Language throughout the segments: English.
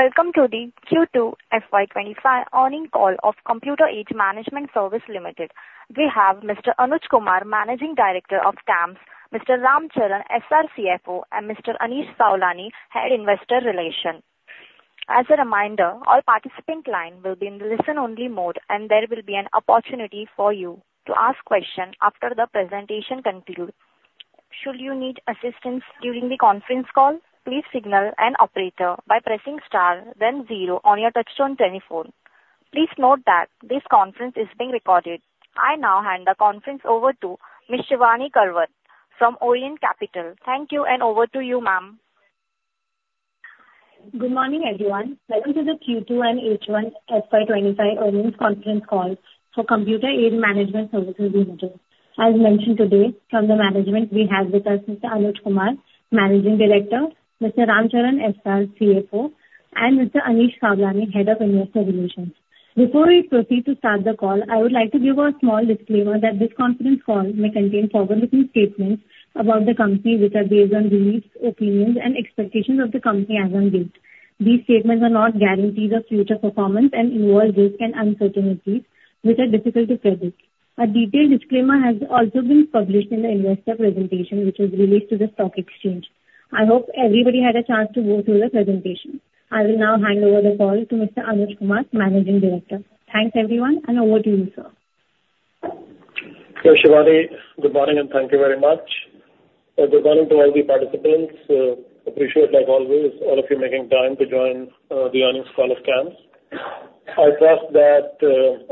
Welcome to the Q2 FY 2025 Earnings Call of Computer Age Management Services Limited. We have Mr. Anuj Kumar, Managing Director of CAMS, Mr. Ram Charan S.R., CFO, and Mr. Anish Sawlani, Head of Investor Relations. As a reminder, all participant lines will be in listen-only mode, and there will be an opportunity for you to ask questions after the presentation concludes. Should you need assistance during the conference call, please signal an operator by pressing star then zero on your touchtone telephone. Please note that this conference is being recorded. I now hand the conference over to Ms. Shivani Karwat from Orient Capital. Thank you, and over to you, ma'am. Good morning, everyone. Welcome to the Q2 and H1 FY 2025 earnings conference call for Computer Age Management Services Limited. As mentioned today from the management, we have with us Mr. Anuj Kumar, Managing Director, Mr. Ram Charan S.R., CFO, and Mr. Anish Sawlani, Head of Investor Relations. Before we proceed to start the call, I would like to give a small disclaimer that this conference call may contain forward-looking statements about the company, which are based on beliefs, opinions, and expectations of the company as on date. These statements are not guarantees of future performance and involve risks and uncertainties which are difficult to predict. A detailed disclaimer has also been published in the investor presentation, which was released to the stock exchange. I hope everybody had a chance to go through the presentation. I will now hand over the call to Mr. Anuj Kumar, Managing Director. Thanks, everyone, and over to you, sir. Yeah, Shivani, good morning, and thank you very much. Good morning to all the participants. Appreciate, like always, all of you making time to join the earnings call of CAMS. I trust that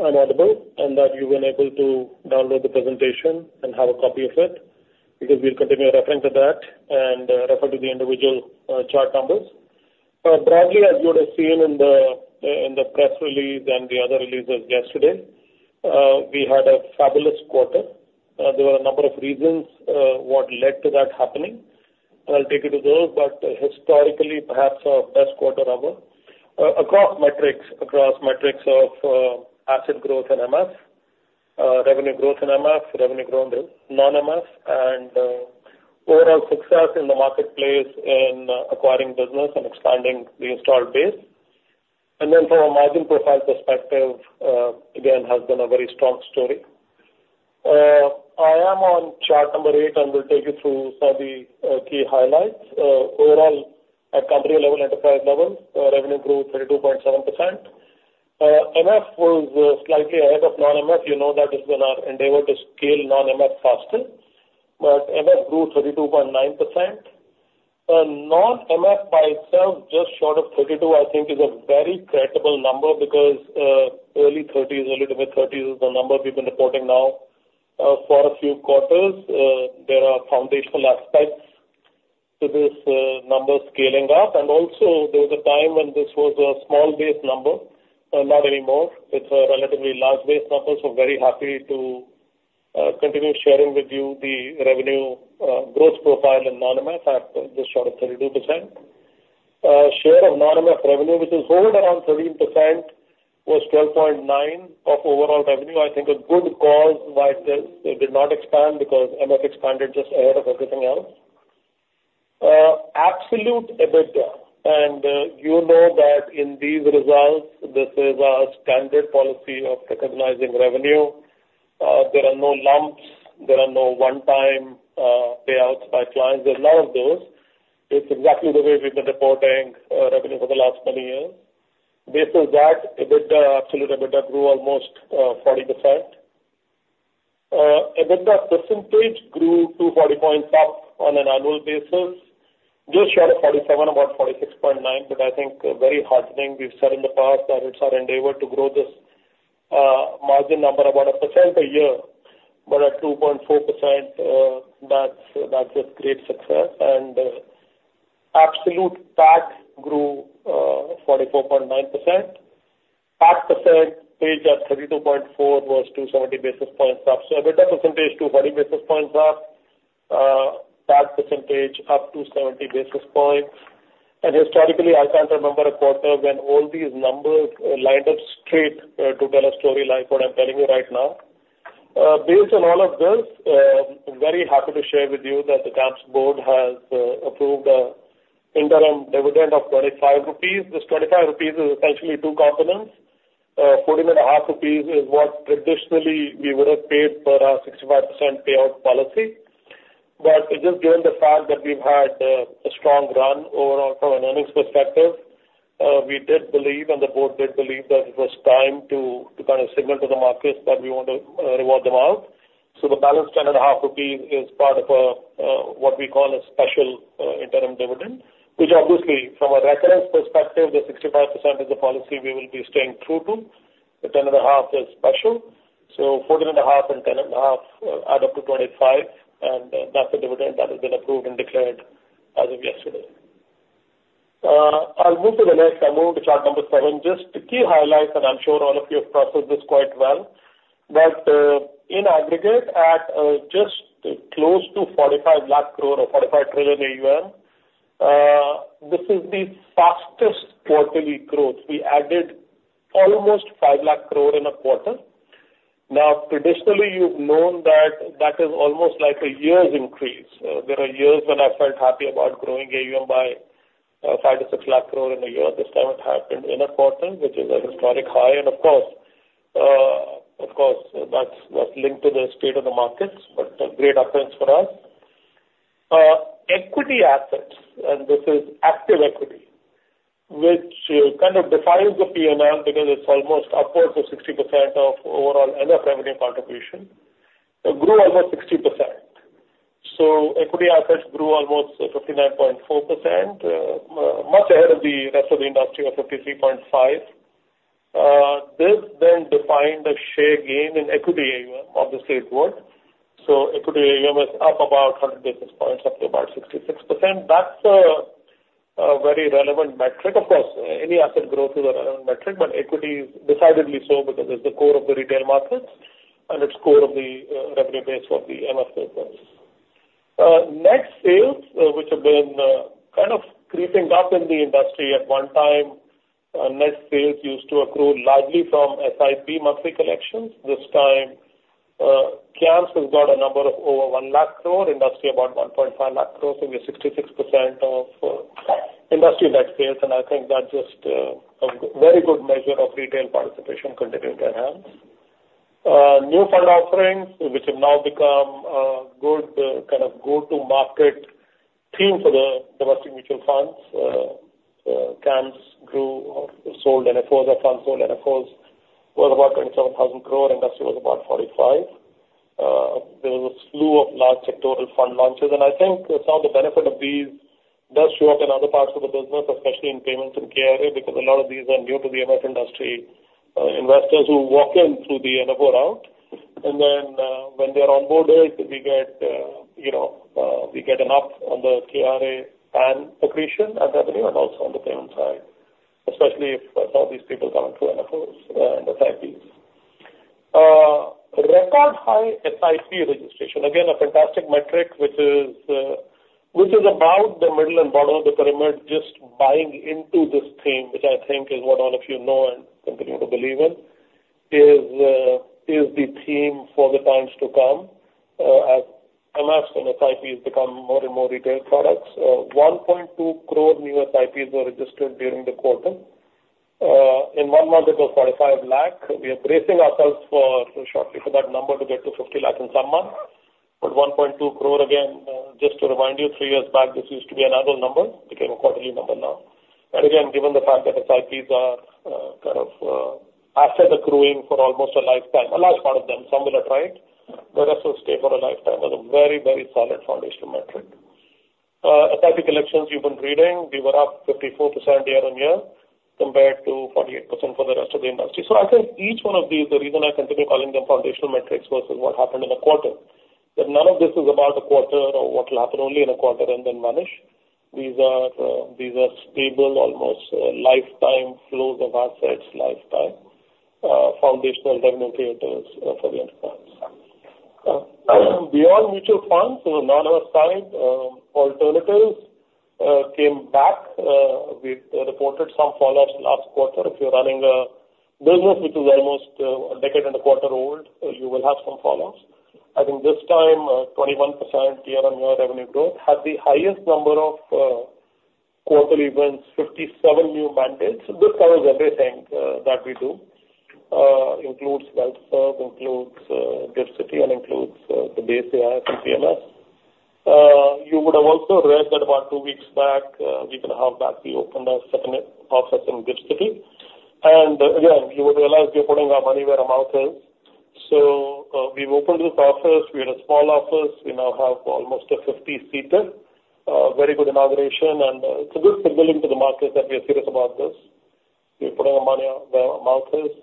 I'm audible and that you've been able to download the presentation and have a copy of it, because we'll continue referring to that and refer to the individual chart numbers. Broadly, as you would have seen in the press release and the other releases yesterday, we had a fabulous quarter. There were a number of reasons what led to that happening. I'll take you to those, but historically perhaps our best quarter ever, across metrics of asset growth and MF revenue growth in MF, revenue growth in non-MF, and overall success in the marketplace in acquiring business and expanding the installed base. Then from a margin profile perspective, again, has been a very strong story. I am on chart number eight, and will take you through some of the key highlights. Overall, at country level, enterprise level, revenue grew 32.7%. MF was slightly ahead of non-MF. You know that it's been our endeavor to scale non-MF faster, but MF grew 32.9%. non-MF by itself, just short of 32, I think is a very credible number because, early 30s, early to mid-30s is the number we've been reporting now, for a few quarters. There are foundational aspects to this, number scaling up, and also there was a time when this was a small base number. Not anymore. It's a relatively large base number, so very happy to, continue sharing with you the revenue, growth profile in non-MF at just short of 32%. Share of non-MF revenue, which is over around 13%, was 12.9 of overall revenue. I think a good cause why it did not expand, because MF expanded just ahead of everything else. Absolute EBITDA, and, you know that in these results, this is our standard policy of recognizing revenue. There are no lumps, there are no one-time payouts by clients. There are none of those. It's exactly the way we've been reporting revenue for the last many years. Based on that, EBITDA, absolute EBITDA grew almost 40%. EBITDA percentage grew 240 points up on an annual basis, just short of 47, about 46.9. But I think a very heartening. We've said in the past that it's our endeavor to grow this margin number about 1% a year, but at 2.4%, that's a great success. Absolute PAT grew 44.9%. PAT percent reached at 32.4, was 270 basis points up. So EBITDA percentage 240 basis points up, PAT percentage up 270 basis points. Historically, I can't remember a quarter when all these numbers lined up straight to tell a story like what I'm telling you right now. Based on all of this, very happy to share with you that the CAMS board has approved an interim dividend of 25 rupees. This 25 rupees is essentially two components. 14.5 rupees is what traditionally we would have paid per our 65% payout policy. But just given the fact that we've had a strong run overall from an earnings perspective, we did believe, and the board did believe, that it was time to kind of signal to the markets that we want to reward them out. So the balance 10.5 rupees is part of a, what we call a special, interim dividend, which obviously from a records perspective, the 65% is the policy we will be staying true to. The 10.5 is special, so 14.5 and 10.5 add up to 25. And, that's the dividend that has been approved and declared as of yesterday. I'll move to the next. I'll move to chart number 7. Just the key highlights, and I'm sure all of you have processed this quite well, but, in aggregate, at, just close to 45 lakh crore or 45 trillion AUM, this is the fastest quarterly growth. We added almost 5 lakh crore in a quarter. Now, traditionally, you've known that that is almost like a year's increase. There are years when I felt happy about growing AUM by five to six lakh crore in a year. This time it happened in a quarter, which is a historic high and of course that's linked to the state of the markets, but a great occurrence for us. Equity assets, and this is active equity, which kind of defines the PNL because it's almost upwards of 60% of overall MF revenue contribution, it grew over 60%. So equity assets grew almost 59.4%, much ahead of the rest of the industry of 53.5. This then defined a share gain in equity AUM of the same broad. So equity AUM is up about 100 basis points, up to about 66%. That's a very relevant metric. Of course, any asset growth is a relevant metric, but equity is decidedly so because it's the core of the retail markets and it's core of the revenue base for the MF business. Net sales, which have been kind of creeping up in the industry at one time, net sales used to accrue largely from SIP monthly collections. This time, CAMS has got a number of over 1 lakh crore, industry about 1.5 lakh crores, maybe 66% of industry net sales. And I think that's just a very good measure of retail participation continuing to enhance. New fund offerings, which have now become a good kind of go-to market theme for the diversity mutual funds. CAMS grew or sold NFOs, our fund sold NFOs, was about 27 thousand crore, industry was about 45. There was a slew of large sectoral fund launches, and I think some of the benefit of these does show up in other parts of the business, especially in payments and KRA, because a lot of these are new to the MF industry. Investors who walk in through the NFO route, and then, when they're onboarded, we get, you know, an up on the KRA and accretion and revenue and also on the payment side, especially if some of these people come through NFOs, and the SIPs. Record high SIP registration. Again, a fantastic metric, which is about the middle and bottom of the pyramid just buying into this theme, which I think is what all of you know and continue to believe in, is the theme for the times to come. As AMCs and SIPs become more and more retail products, one point two crore new SIPs were registered during the quarter. In one month, it was forty-five lakh. We are bracing ourselves for shortly for that number to get to fifty lakh in some months. But one point two crore, again, just to remind you, three years back, this used to be an annual number, became a quarterly number now. And again, given the fact that SIPs are, kind of, asset accruing for almost a lifetime, a large part of them, some will attrite, but also stay for a lifetime is a very, very solid foundational metric. SIP collections you've been reading, we were up 54% year-on-year, compared to 48% for the rest of the industry. So I think each one of these, the reason I continue calling them foundational metrics versus what happened in a quarter, that none of this is about a quarter or what will happen only in a quarter and then vanish. These are, these are stable, almost lifetime flows of assets, lifetime, foundational revenue creators for the enterprise. Beyond mutual funds, so non-asset side, alternatives, came back. We reported some fallouts last quarter. If you're running a business which is almost, a decade and a quarter old, you will have some fallouts. I think this time, 21% year-on-year revenue growth had the highest number of, quarterly events, 57 new mandates. This covers everything, that we do. Includes WealthServ, includes, GIFT City, and includes, the base AIF and PMS. You would have also read that about two weeks back, we announced that we opened a second office in GIFT City, and again, you would realize we are putting our money where our mouth is, so we've opened this office. We had a small office. We now have almost a 50-seater. Very good inauguration, and it's a good signaling to the market that we are serious about this. We're putting our money where our mouth is,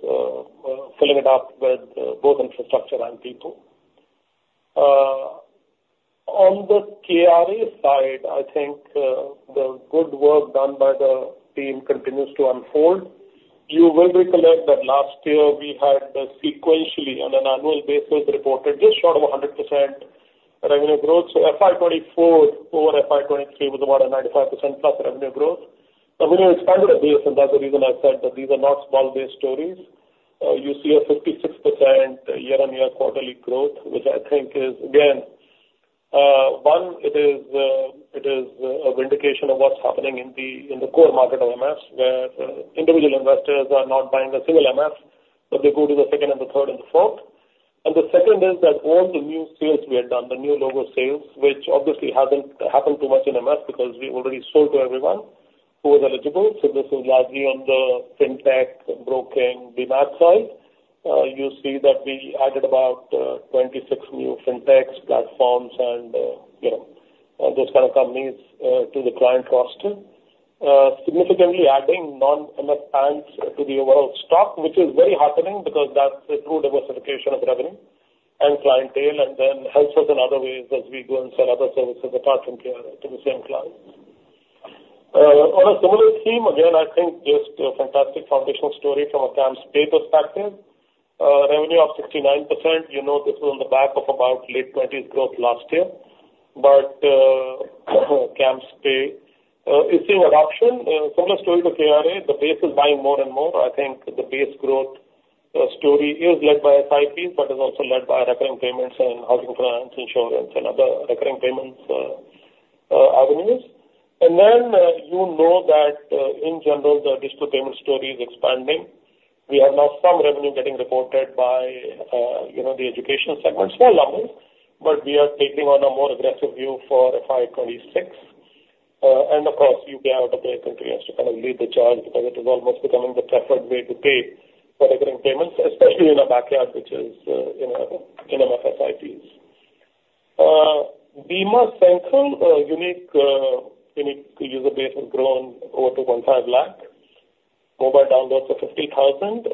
filling it up with both infrastructure and people. On the KRA side, I think the good work done by the team continues to unfold. You will recollect that last year we had, sequentially on an annual basis, reported just short of 100% revenue growth, so FY 2024 over FY 2023 was about a 95% plus revenue growth. But when you expand the base, and that's the reason I said that these are not small base stories, you see a 56% year-on-year quarterly growth, which I think is again, one, it is, it is a vindication of what's happening in the, in the core market of AMFs, where, individual investors are not buying a single AMF, but they go to the second and the third and the fourth. And the second is that all the new sales we have done, the new logo sales, which obviously hasn't happened too much in AMF because we already sold to everyone who was eligible. So this is largely on the Fintech, broking, PMS side. You see that we added about, 26 new Fintechs platforms and, you know, those kind of companies, to the client roster. significantly adding non-MF clients to the overall stock, which is very heartening because that's a true diversification of revenue and clientele, and then helps us in other ways as we go and sell other services apart from KRA to the same clients. On a similar theme, again, I think just a fantastic foundational story from a CAMSPay perspective. Revenue of 69%, you know this is on the back of about late twenties growth last year. But, CAMSPay. You've seen adoption, similar story to KRA. The base is buying more and more. I think the base growth story is led by SIPs, but is also led by recurring payments and housing finance, insurance, and other recurring payments, avenues. And then, you know that, in general, the digital payment story is expanding. We have now some revenue getting reported by, you know, the education segment, small numbers, but we are taking on a more aggressive view for FY 2026. And of course, UPI AutoPay continues to kind of lead the charge because it is almost becoming the preferred way to pay for recurring payments, especially in a backyard which is, you know, in love with SIPs. Bima Central unique user base has grown over to 0.5 lakh, mobile downloads to 50,000.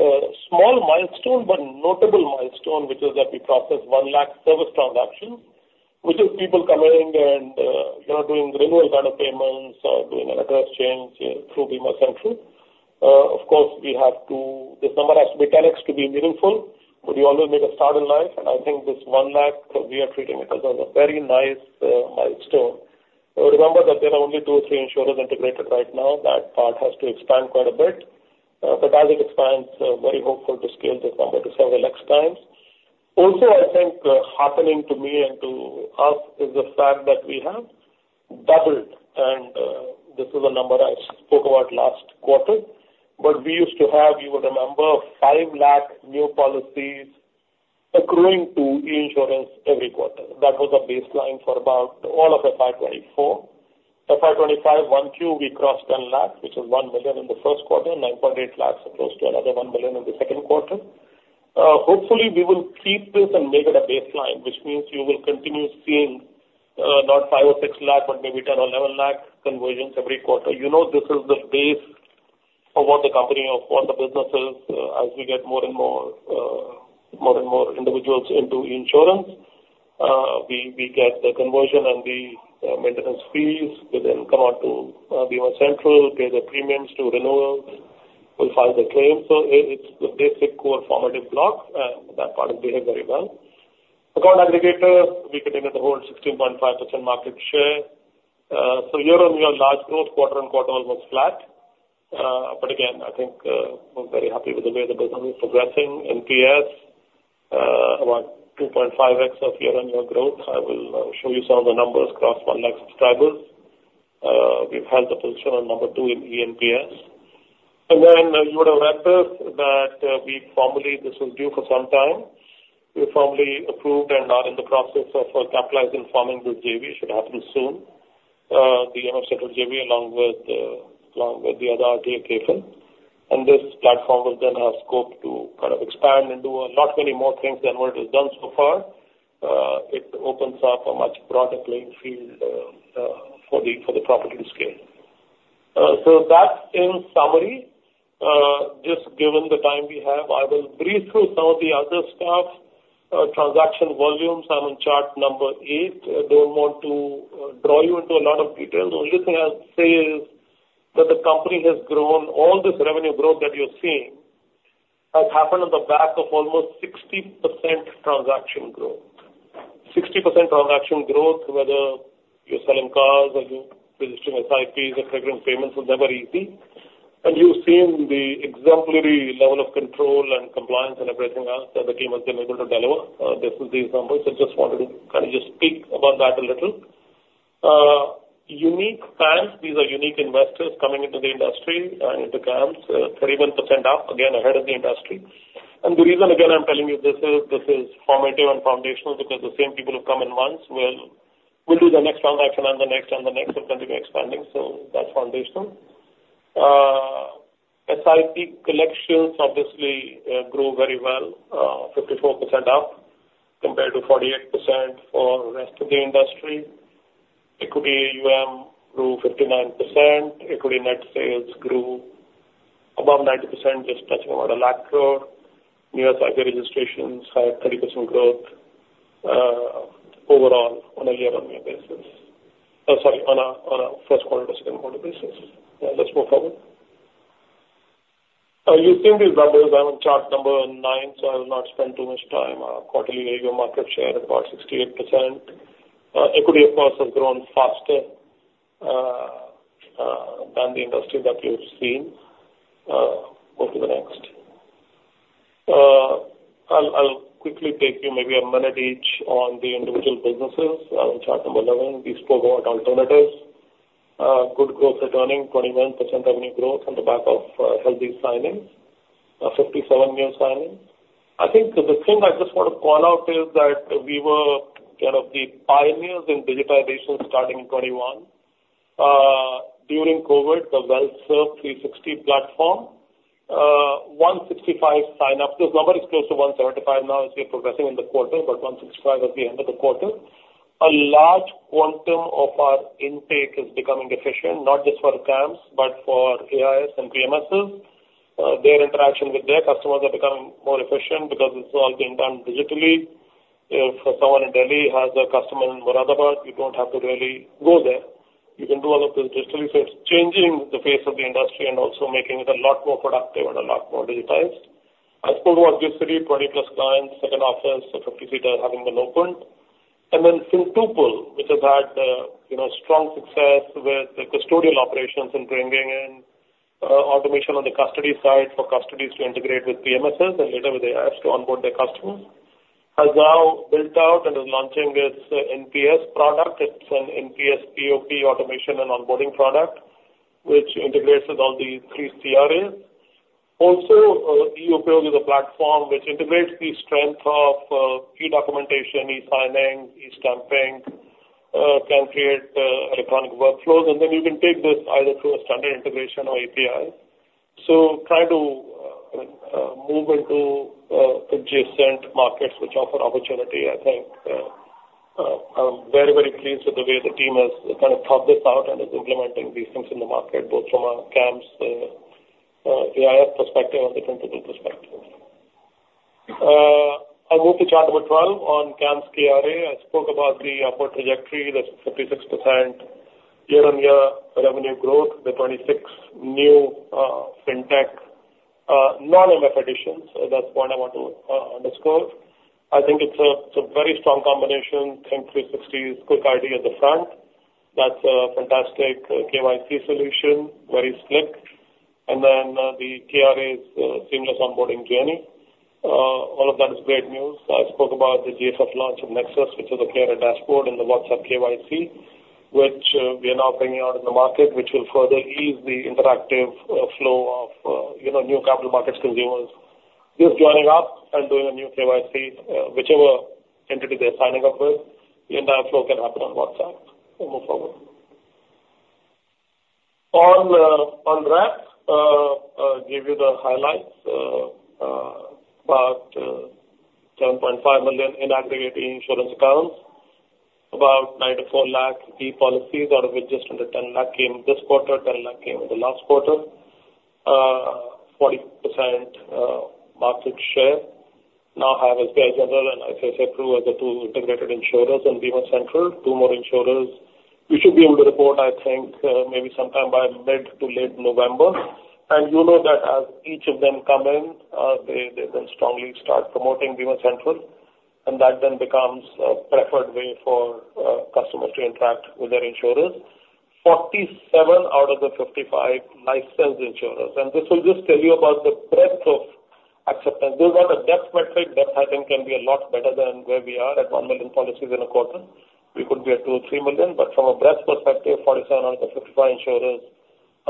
Small milestone, but notable milestone, which is that we processed one lakh service transactions, which is people coming in and, you know, doing renewal kind of payments or doing an address change through Bima Central. Of course, we have to... This number has to be ten X to be meaningful, but you always make a start in life, and I think this one lakh, we are treating it as a very nice milestone. Remember that there are only two or three insurers integrated right now. That part has to expand quite a bit, but as it expands, very hopeful to scale this number to several X times. Also, I think, heartening to me and to us is the fact that we have doubled, and, this is a number I spoke about last quarter, but we used to have, you would remember, five lakh new policies accruing to e-Insurance every quarter. That was a baseline for about all of FY 2024. FY 2025 1Q, we crossed 10 lakh, which is one million in the first quarter, 9.8 lakhs, close to another one million in the second quarter. Hopefully, we will keep this and make it a baseline, which means you will continue seeing not 5 or 6 lakh, but maybe 10 or 11 lakh conversions every quarter. You know, this is the base of what the company, of what the business is. As we get more and more individuals into e-Insurance, we get the conversion and the maintenance fees. They then come on to Bima Central, pay the premiums to renewal. We'll file the claim. So it's the basic core formative block, and that part is behaved very well. Account Aggregator, we continue to hold 16.5% market share. So year-on-year, large growth, quarter on quarter, almost flat. But again, I think we're very happy with the way the business is progressing. NPS, about two point five X of year-on-year growth. I will show you some of the numbers, crossed one lakh subscribers. We've held the position on number two in e-NPS. And then you would have read this, that we formally, this was due for some time, we formally approved and are in the process of capitalizing, forming this JV, should happen soon. The MFC JV, along with the other RTA, KFin, and this platform will then have scope to kind of expand and do a lot many more things than what it has done so far. It opens up a much broader playing field for the property to scale, so that in summary, just given the time we have, I will breeze through some of the other stuff. Transaction volumes are on chart number 8. I don't want to draw you into a lot of details. Only thing I'll say is that the company has grown. All this revenue growth that you're seeing has happened on the back of almost 60% transaction growth. 60% transaction growth, whether you're selling cars or you're registering SIPs or recurring payments with e-NACH, and you've seen the exemplary level of control and compliance and everything else that the team has been able to deliver. This is the example, so just wanted to kind of just speak about that a little. Unique clients, these are unique investors coming into the industry, and it becomes 31% up, again, ahead of the industry, and the reason, again, I'm telling you this is, this is formative and foundational, because the same people who come in once will do the next transaction and the next and the next, will continue expanding. So that's foundational. SIP collections obviously grew very well, 54% up compared to 48% for the rest of the industry. Equity AUM grew 59%. Equity net sales grew above 90%, just touching about a lakh crore. New SIP registrations had 30% growth, overall on a year-on-year basis. Sorry, on a first quarter to second quarter basis. Yeah, let's move forward. You've seen these numbers. I'm on chart number nine, so I will not spend too much time. Our quarterly AUM market share is about 68%. Equity, of course, has grown faster than the industry that you've seen. Go to the next. I'll quickly take you maybe a minute each on the individual businesses. On chart number 11, we spoke about alternatives. Good growth returning, 21% revenue growth on the back of healthy signings, 57 new signings. I think the thing I just want to call out is that we were kind of the pioneers in digitization starting in 2021. During COVID, the WealthServ 360 platform, 165 signups. This number is close to 175 now as we're progressing in the quarter, but 165 at the end of the quarter. A large quantum of our intake is becoming efficient, not just for CAMS, but for AIFs and PMSs. Their interaction with their customers are becoming more efficient because it's all being done digitally. If someone in Delhi has a customer in Moradabad, you don't have to really go there. You can do all of this digitally. So it's changing the face of the industry and also making it a lot more productive and a lot more digitized. I spoke about this city, 20-plus clients, second office, so 50 seats having been opened. And then Fintuple, which has had, you know, strong success with the custodial operations and bringing in, automation on the custody side for custodians to integrate with PMSs, and later, they ask to onboard their customers, has now built out and is launching its NPS product. It's an NPS PoP automation and onboarding product, which integrates with all three CRAs. Also, Aadhaar is a platform which integrates the strength of e-documentation, e-signing, e-stamping, can create electronic workflows, and then you can take this either through a standard integration or API. So trying to move into adjacent markets which offer opportunity, I think, I'm very, very pleased with the way the team has kind of thought this out and is implementing these things in the market, both from a CAMS AIF perspective and a Fintuple perspective. I'll move to chart number twelve on CAMS CRA. I spoke about the upward trajectory, that's 56% year-on-year revenue growth, the 26 new Fintech non-MF additions. So that's what I want to underscore. I think it's a, it's a very strong combination, Think360 Kwik.ID at the front. That's a fantastic KYC solution, very slick. The CRA's seamless onboarding journey. All of that is great news. I spoke about the GIFT launch of Nexus, which is a CRA dashboard, and the WhatsApp KYC, which we are now bringing out in the market, which will further ease the interactive flow of, you know, new capital markets consumers just joining up and doing a new KYC, whichever entity they're signing up with. The entire flow can happen on WhatsApp. Move forward. On Rep, I'll give you the highlights. About 10.5 million in aggregate insurance accounts, about 94 lakh e-policies, out of which just under 10 lakh came this quarter, 10 lakh came in the last quarter. 40% market share now have as well, and like I said, two of the two integrated insurers in Bima Central, two more insurers. We should be able to report, I think, maybe sometime by mid to late November. And you know that as each of them come in, they, they then strongly start promoting Bima Central, and that then becomes a preferred way for customers to interact with their insurers. 47 out of the 55 life sales insurers, and this will just tell you about the breadth of acceptance. We want a depth metric that I think can be a lot better than where we are at 1 million policies in a quarter. We could be at 2 or 3 million, but from a breadth perspective, 47 out of the 55 insurers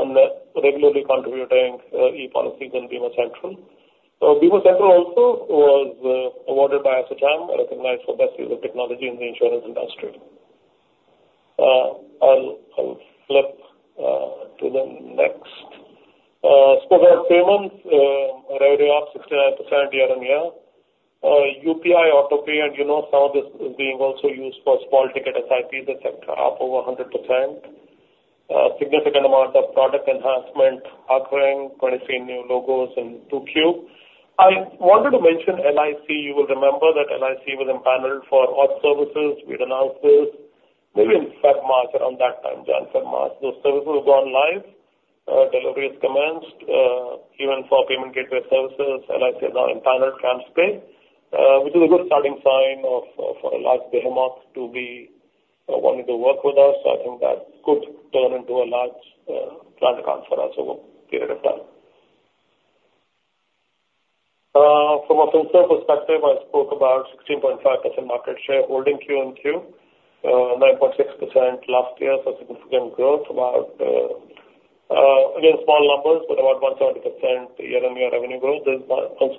on that regularly contributing e-policies in Bima Central. So Bima Central also was awarded by ASSOCHAM, recognized for best use of technology in the insurance industry. I'll flip to the next. Spoke about payments, revenue up 16% year-on-year. UPI AutoPay, and you know, some of this is being also used for small ticket SIPs that are up over 100%. Significant amount of product enhancement occurring, 23 new logos in 2Q. I wanted to mention LIC. You will remember that LIC was empaneled for non-mutual fund services. We'd announced this maybe in February, March, around that time, January, February, March. Those services have gone live, delivery has commenced, even for payment gateway services. LIC is now empaneled CAMSPay. Which is a good starting sign of, for a large behemoth to be wanting to work with us. I think that could turn into a large, plan account for us over a period of time. From a FinServ perspective, I spoke about 16.5% market share holding Q on Q. 9.6% last year, so significant growth. About, again, small numbers, but about 170% year-on-year revenue growth.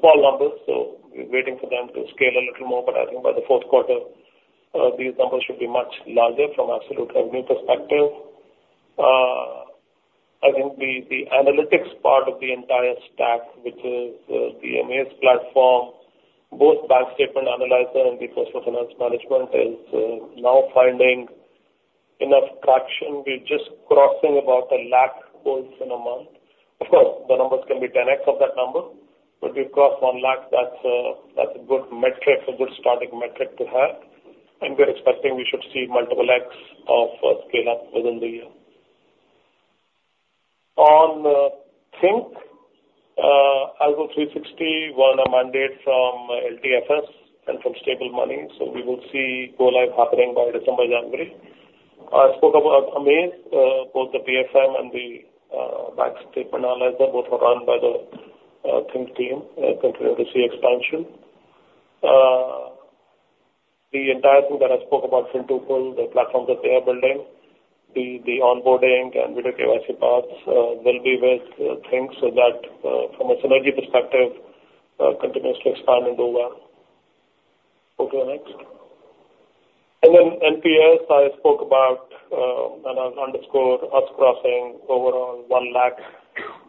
Small numbers, so we're waiting for them to scale a little more, but I think by the fourth quarter, these numbers should be much larger from absolute revenue perspective. I think the analytics part of the entire stack, which is the Amaze platform, both bank statement analyzer and the personal finance management, is now finding enough traction. We're just crossing about a lakh holds in a month. Of course, the numbers can be 10X of that number, but we've crossed one lakh. That's a, that's a good metric, a good starting metric to have, and we're expecting we should see multiple X of scale up within the year. On Think360, Algo360 won a mandate from LTFS and from Stable Money, so we will see go live happening by December, January. I spoke about Amaze, both the PFM and the bank statement analyzer, both were run by the Think360 team, continuing to see expansion. The entire thing that I spoke about Fintuple, the platforms that they are building, the onboarding and with KYC paths, will be with Think360, so that from a synergy perspective continues to expand and do well. Go to the next. Then NPS, I spoke about, and I've underscored us crossing over one lakh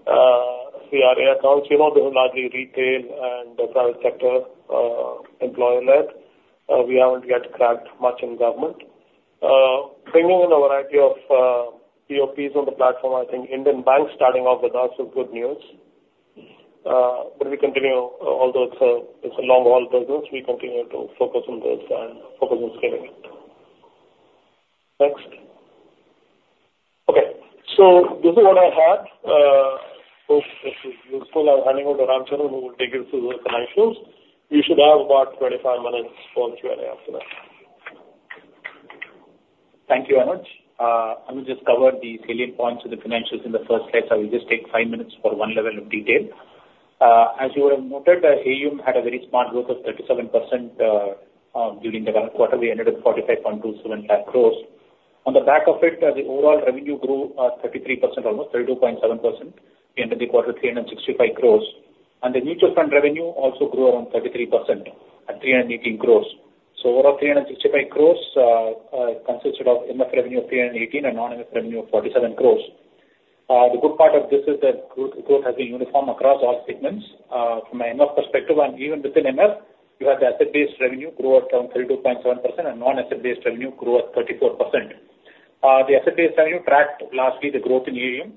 CRA accounts. You know, these are largely retail and private sector, employer-led. We haven't yet cracked much in government. Bringing in a variety of PoPs on the platform, I think Indian banks starting off with us is good news. But we continue, although it's a long haul business, we continue to focus on this and focus on scaling it. Next. This is what I have. Hope this is useful. I'll hand it over to Ram Charan, who will take you through the financials. We should have about twenty-five minutes for Q&A after that. Thank you very much. I will just cover the salient points of the financials in the first slide, so I will just take five minutes for one level of detail. As you would have noted, AUM had a very smart growth of 37% during the quarter. We ended at 45.27 lakh crores. On the back of it, the overall revenue grew 33%, almost 32.7%, end of the quarter, 365 crores. And the mutual fund revenue also grew around 33% at 318 crores. So overall, 365 crores consisted of MF revenue of 318, and non-MF revenue of 47 crores. The good part of this is that growth has been uniform across all segments. From an MF perspective, and even within MF, you have the asset-based revenue grow at around 32.7% and non-asset-based revenue grow at 34%. The asset-based revenue tracked largely the growth in AUM.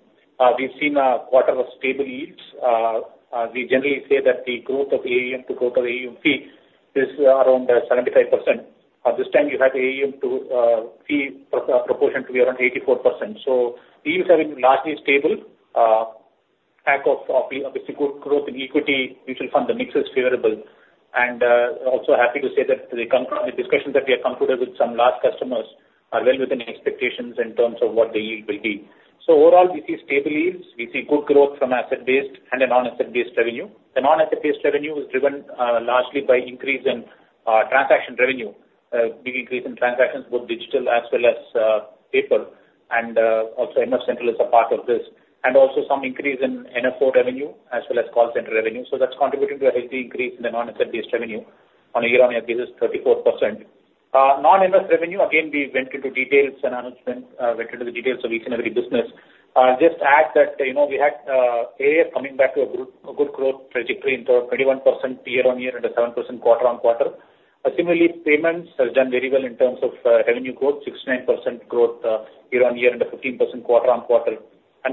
We've seen a quarter of stable yields. We generally say that the growth of AUM to total AUM fee is around 75%. This time you have the AUM to fee proportion to be around 84%, so yields have been largely stable. On the back of the good growth in equity mutual fund, the mix is favorable, and also happy to say that the discussions that we have concluded with some large customers are well within expectations in terms of what the yield will be, so overall, we see stable yields. We see good growth from asset-based and a non-asset-based revenue. The non-asset-based revenue is driven largely by increase in transaction revenue, big increase in transactions, both digital as well as paper, and also MF Central is a part of this, and also some increase in NFO revenue as well as call center revenue, so that's contributing to a healthy increase in the non-asset-based revenue on a year-on-year basis, 34%. Non-MF revenue, again, we went into details and announcement, went into the details of each and every business. Just add that, you know, we had AIF coming back to a good growth trajectory into a 21% year-on-year, and a 7% quarter-on-quarter. Similarly, payments has done very well in terms of revenue growth, 69% growth year-on-year, and a 15% quarter-on-quarter.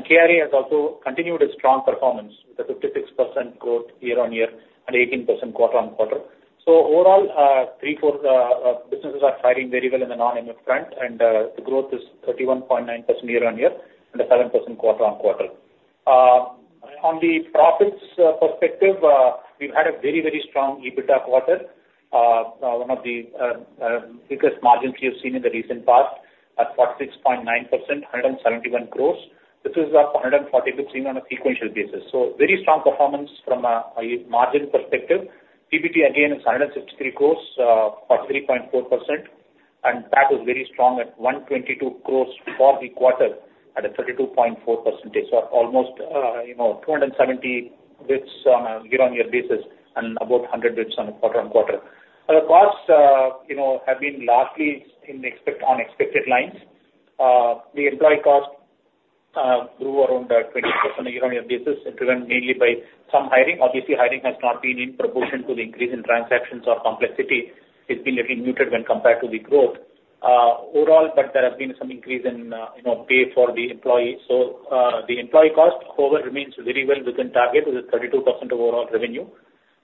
KRA has also continued its strong performance, with 56% growth year-on-year and 18% quarter-on-quarter. Overall, three-fourth businesses are firing very well in the non-MF front, and the growth is 31.9% year-on-year and 7% quarter-on-quarter. On the profits perspective, we've had a very, very strong EBITDA quarter. One of the biggest margins we have seen in the recent past, at 46.9%, 171 crores. This is up 140 basis points on a sequential basis. Very strong performance from a margin perspective. PBT again is 163 crores, 43.4%, and PAT was very strong at 122 crores for the quarter, at 32.4%. So almost, you know, 270 basis points on a year-on-year basis and about 100 basis points on a quarter-on-quarter. The costs, you know, have been largely in expected lines. The employee cost grew around 20% on a year-on-year basis, driven mainly by some hiring. Obviously, hiring has not been in proportion to the increase in transactions or complexity. It's been a little muted when compared to the growth. Overall, but there have been some increase in, you know, pay for the employees. So, the employee cost however, remains very well within target, with a 32% of overall revenue.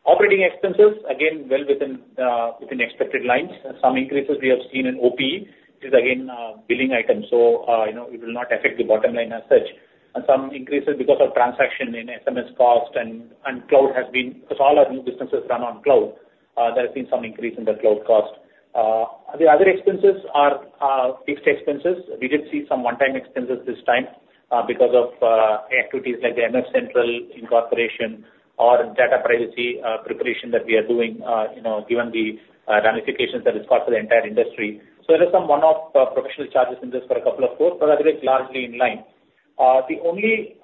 Operating expenses, again, well within expected lines. Some increases we have seen in OpEx, it is again, billing items, so, you know, it will not affect the bottom line as such. And some increases because of transaction in SMS cost and, and cloud has been. Because all our new businesses run on cloud, there has been some increase in the cloud cost. The other expenses are fixed expenses. We did see some one-time expenses this time, because of activities like the MF Central incorporation or data privacy preparation that we are doing, you know, given the ramifications that it's got for the entire industry. So there's some one-off professional charges in this for a couple of quarters, but the rest largely in line. The only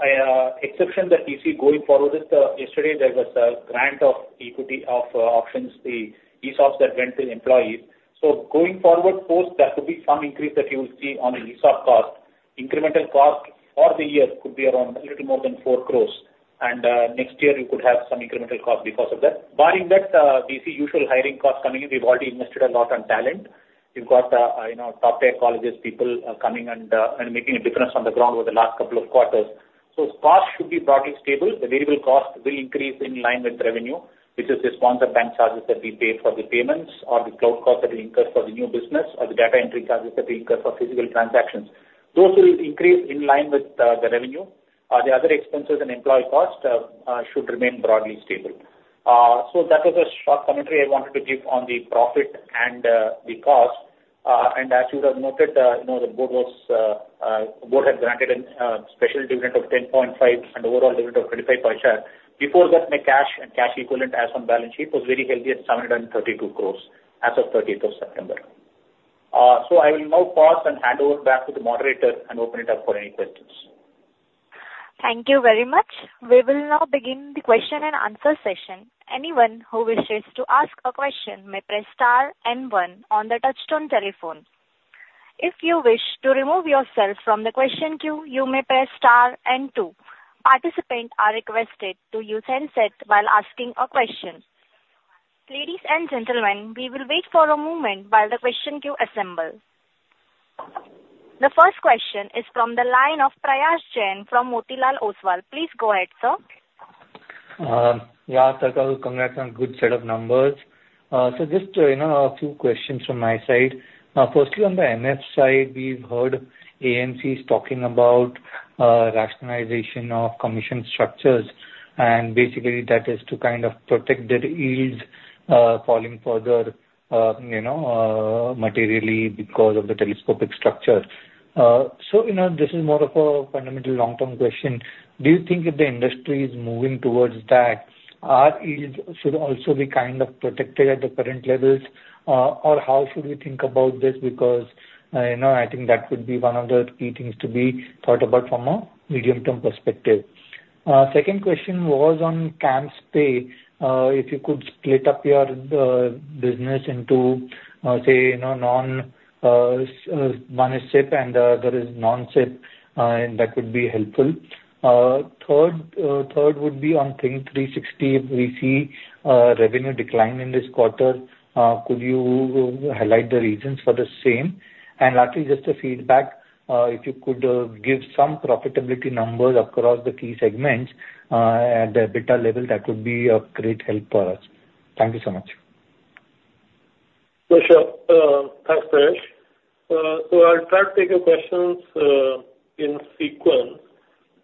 exception that we see going forward is, yesterday there was a grant of equity of options, the ESOPs that went to the employees. So going forward, post, there could be some increase that you will see on an ESOP cost. Incremental cost for the year could be around a little more than four crores, and next year you could have some incremental cost because of that. Barring that, we see usual hiring costs coming in. We've already invested a lot on talent. We've got, you know, top tech colleges, people coming and making a difference on the ground over the last couple of quarters. So costs should be broadly stable. The variable cost will increase in line with revenue. This is the sponsor bank charges that we pay for the payments or the cloud cost that we incur for the new business or the data entry charges that we incur for physical transactions. Those will increase in line with the revenue. The other expenses and employee cost should remain broadly stable. So that was a short commentary I wanted to give on the profit and the cost. And as you have noted, you know, the board had granted a special dividend of 10.5 and overall dividend of 25 paisa per share. Before that, my cash and cash equivalents as on balance sheet was very healthy at 732 crores as of thirteenth of September. So I will now pause and hand over back to the moderator and open it up for any questions. Thank you very much. We will now begin the question and answer session. Anyone who wishes to ask a question may press star and one on the touchtone telephone. If you wish to remove yourself from the question queue, you may press star and two. Participants are requested to use handsets while asking a question. Ladies and gentlemen, we will wait for a moment while the question queue assembles. The first question is from the line of Prayesh Jain from Motilal Oswal. Please go ahead, sir. Yeah. Thanks, congrats on good set of numbers. So just, you know, a few questions from my side. Firstly, on the MF side, we've heard AMCs talking about rationalization of commission structures, and basically that is to kind of protect their yields falling further, you know, materially because of the telescopic structure. So, you know, this is more of a fundamental long-term question: Do you think if the industry is moving towards that, our yields should also be kind of protected at the current levels, or how should we think about this? Because, you know, I think that would be one of the key things to be thought about from a medium-term perspective. Second question was on CAMSPay. If you could split up your business into, say, you know, managed SIP and non-SIP, and that would be helpful. Third would be on Think360. If we see revenue decline in this quarter, could you highlight the reasons for the same? And lastly, just a feedback, if you could give some profitability numbers across the key segments, at the EBITDA level, that would be a great help for us. Thank you so much. Sure. Thanks, Paresh. So I'll try to take your questions in sequence.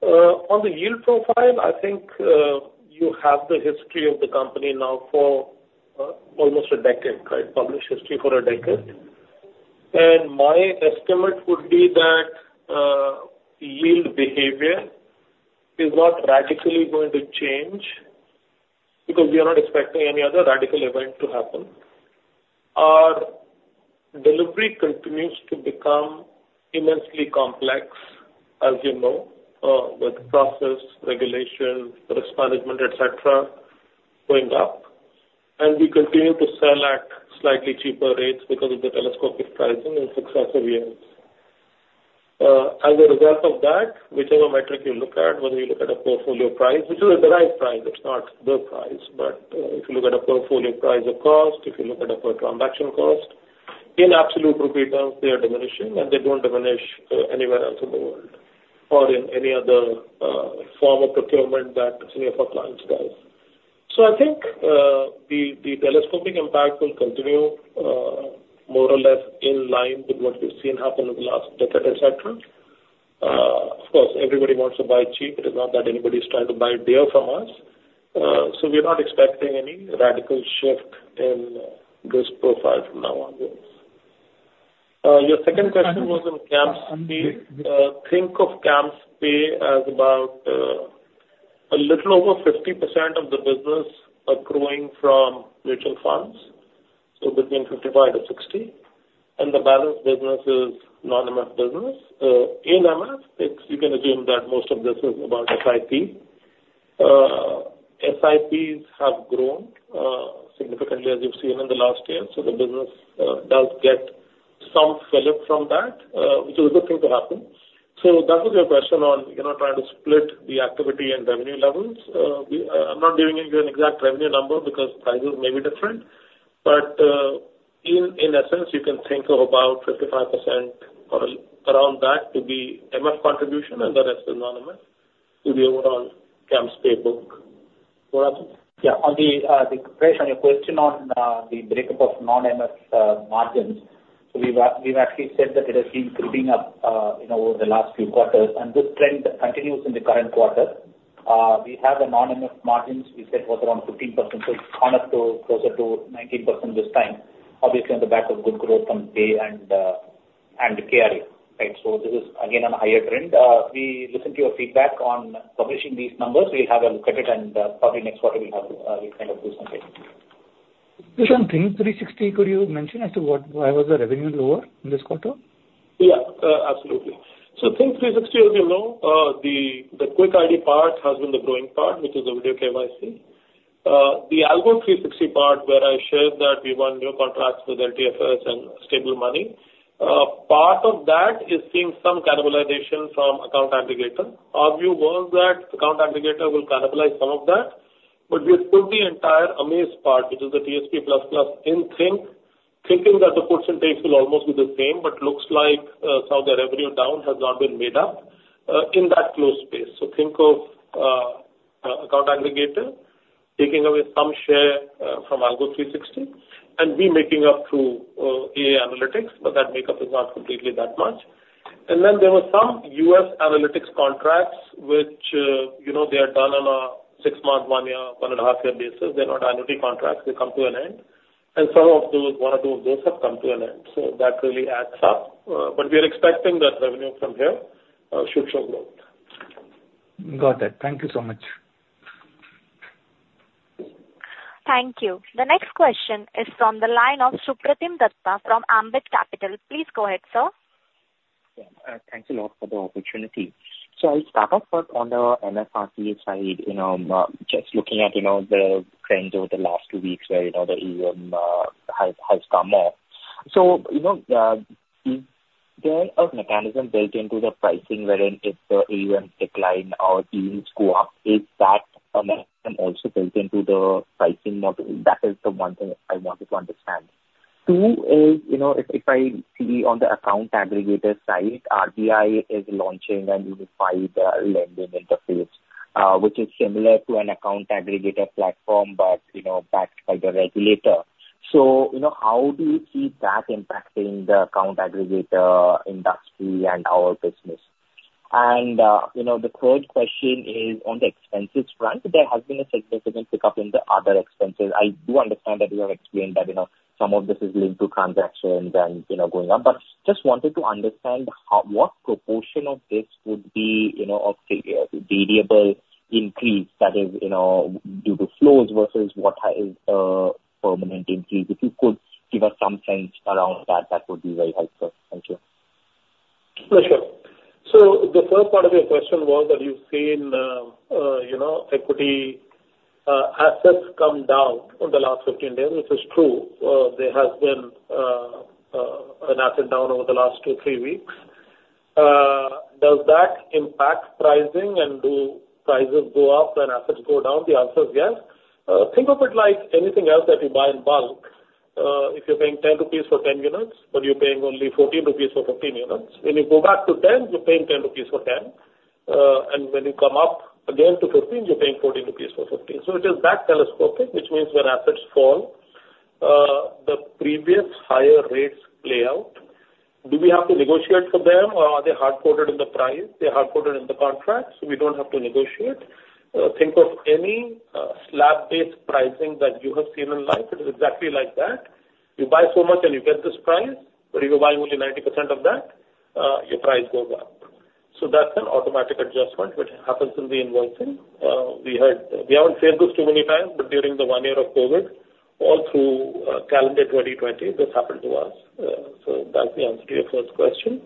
On the yield profile, I think you have the history of the company now for almost a decade, right? Published history for a decade. And my estimate would be that yield behavior is not radically going to change because we are not expecting any other radical event to happen. Our delivery continues to become immensely complex, as you know, with process, regulation, risk management, et cetera, going up, and we continue to sell at slightly cheaper rates because of the telescopic pricing in successive years. As a result of that, whichever metric you look at, whether you look at a portfolio price, which is the right price, it's not the price. But, if you look at a portfolio price of cost, if you look at a per transaction cost, in absolute rupee terms, they are diminishing, and they don't diminish, anywhere else in the world or in any other, form of procurement that any of our clients does. So I think, the telescopic impact will continue, more or less in line with what we've seen happen in the last decade, et cetera. Of course, everybody wants to buy cheap. It is not that anybody is trying to buy dear from us. So we are not expecting any radical shift in this profile from now onwards. Your second question was on CAMSPay. Think of CAMSPay as about, a little over 50% of the business accruing from mutual funds, so between 55-60, and the balance business is non-MF business. In MF, it's, you can assume that most of this is about SIP. SIPs have grown significantly, as you've seen in the last year, so the business does get some fillip from that, which is a good thing to happen. So back to your question on, you know, trying to split the activity and revenue levels. I'm not giving you an exact revenue number because prices may be different, but in essence, you can think of about 55% or around that to be MF contribution, and the rest is non-MF, to be overall CAMSPay book. Ram? Yeah, on the question on your question on the breakup of non-MF margins, so we've actually said that it has been creeping up, you know, over the last few quarters, and this trend continues in the current quarter. We have the non-MF margins, we said was around 15%, so it's gone up to closer to 19% this time, obviously on the back of good growth from Pay and KRA. Right. So this is again on a higher trend. We listen to your feedback on publishing these numbers. We'll have a look at it, and probably next quarter we'll kind of do something. Just on Think360, could you mention as to what, why was the revenue lower in this quarter? Yeah, absolutely. So Think360, as you know, the Kwik.ID part has been the growing part, which is the video KYC. The Algo360 part, where I shared that we won new contracts with LTFS and Stable Money, part of that is seeing some cannibalization from account aggregator. Our view was that account aggregator will cannibalize some of that, but we have put the entire Amaze part, which is the TSP plus, plus in Think, thinking that the percentage will almost be the same, but looks like some of the revenue down has not been made up in that KYC space. So think of account aggregator taking away some share from Algo360, and we making up through AI analytics, but that makeup is not completely that much. And then there were some U.S. analytics contracts, which, you know, they are done on a six-month, one-year, one-and-a-half year basis. They're not annuity contracts. They come to an end, and some of those, one or two of those have come to an end, so that really adds up. But we are expecting that revenue from here should show growth. Got it. Thank you so much. Thank you. The next question is from the line of Supratim Datta from Ambit Capital. Please go ahead, sir. Yeah, thanks a lot for the opportunity. So I'll start off first on the MF RTA side, you know, just looking at, you know, the trends over the last two weeks, where, you know, the AUM has come up. So, you know, is there a mechanism built into the pricing wherein if the AUM decline or yields go up, is that amount then also built into the pricing model? That is the one thing I wanted to understand. Two is, you know, if I see on the account aggregator side, RBI is launching a unified lending interface, which is similar to an account aggregator platform, but you know, backed by the regulator. So, you know, how do you see that impacting the account aggregator industry and our business? And, you know, the third question is on the expenses front. There has been a significant pickup in the other expenses. I do understand that you have explained that, you know, some of this is linked to transactions and, you know, going up, but just wanted to understand what proportion of this would be, you know, a variable increase that is, you know, due to flows versus what is permanent increase? If you could give us some sense around that, that would be very helpful. Thank you. Sure, sure. So the first part of your question was that you've seen, you know, equity assets come down over the last 15 days, which is true. There has been assets down over the last two, three weeks. Does that impact pricing, and do prices go up when assets go down? The answer is yes. Think of it like anything else that you buy in bulk. If you're paying 10 rupees for 10 units, but you're paying only 14 rupees for 15 units, when you go back to 10, you're paying 10 rupees for 10. And when you come up again to 15, you're paying 14 rupees for 15. So it is that telescopic, which means when assets fall, the previous higher rates play out. Do we have to negotiate for them, or are they hardcoded in the price? They are hardcoded in the contract, so we don't have to negotiate. Think of any slab-based pricing that you have seen in life, it is exactly like that. You buy so much and you get this price, but if you buy only 90% of that, your price goes up. So that's an automatic adjustment which happens in the invoicing. We haven't seen this too many times, but during the one year of COVID, all through calendar 2020, this happened to us. So that's the answer to your first question.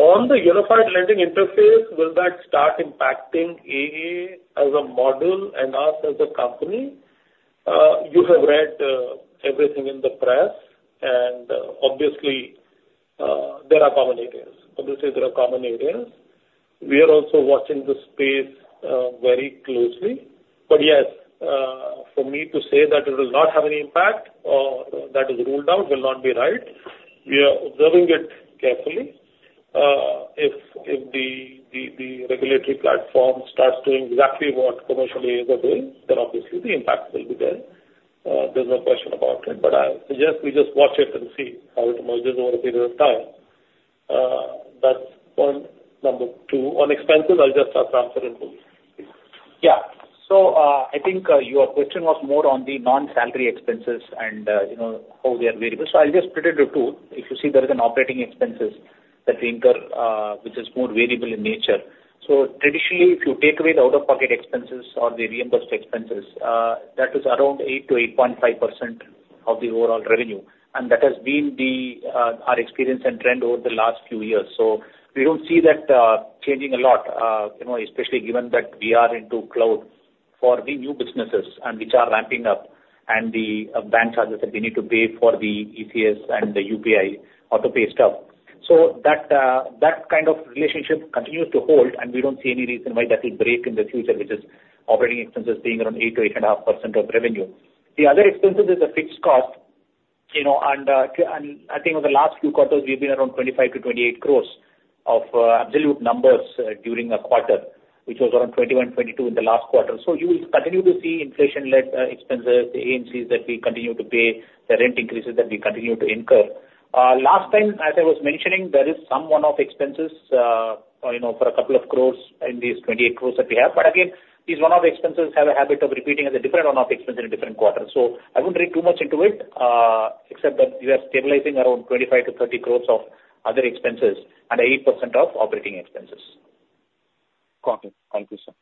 On the Unified Lending Interface, will that start impacting AA as a model and us as a company? You have read everything in the press, and obviously, there are common areas. Obviously, there are common areas. We are also watching this space very closely. But yes, for me to say that it will not have any impact or that is ruled out, will not be right. We are observing it carefully. If the regulatory platform starts doing exactly what commercially is doing, then obviously the impact will be there. There's no question about it. But I suggest we just watch it and see how it merges over a period of time. That's point number two. On expenses, I'll just ask Ram Charan to- Yeah. So, I think your question was more on the non-salary expenses and, you know, how they are variable. So I'll just split it into two. If you see there is an operating expenses that we incur, which is more variable in nature. So traditionally, if you take away the out-of-pocket expenses or the reimbursed expenses, that is around 8-8.5% of the overall revenue, and that has been our experience and trend over the last few years. So we don't see that changing a lot, you know, especially given that we are into cloud for the new businesses and which are ramping up and the bank charges that we need to pay for the ECS and the UPI auto-pay stuff. So that, that kind of relationship continues to hold, and we don't see any reason why that will break in the future, which is operating expenses being around 8-8.5% of revenue. The other expenses is a fixed cost, you know, and, and I think over the last few quarters, we've been around 25-28 crores of absolute numbers during a quarter, which was around 21-22 in the last quarter. So you will continue to see inflation-led expenses, the agencies that we continue to pay, the rent increases that we continue to incur. Last time, as I was mentioning, there is some one-off expenses, you know, for a couple of crores in these 28 crores that we have. But again, these one-off expenses have a habit of repeating as a different one-off expense in a different quarter. So I wouldn't read too much into it, except that we are stabilizing around 25-30 crores of other expenses and 8% of operating expenses. Got it. Thank you, sir.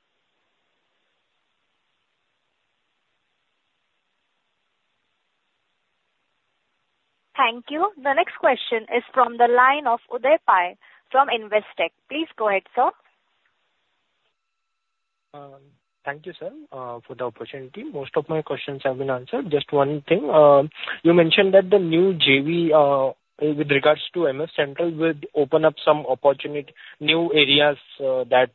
Thank you. The next question is from the line of Uday Pai from Investec. Please go ahead, sir. Thank you, sir, for the opportunity. Most of my questions have been answered. Just one thing. You mentioned that the new JV, with regards to MF Central, would open up some new areas that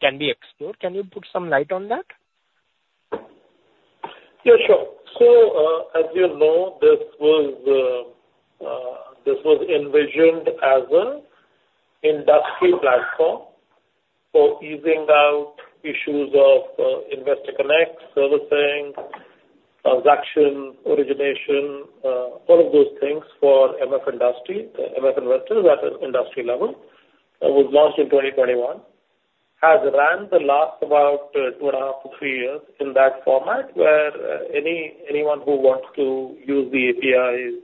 can be explored. Can you put some light on that? Yeah, sure. So, as you know, this was envisioned as an industry platform for easing out issues of investor connect, servicing, transaction, origination, all of those things for MF Industry, MF Investors at an industry level. It was launched in twenty twenty-one, has ran the last about two and a half to three years in that format, where anyone who wants to use the API,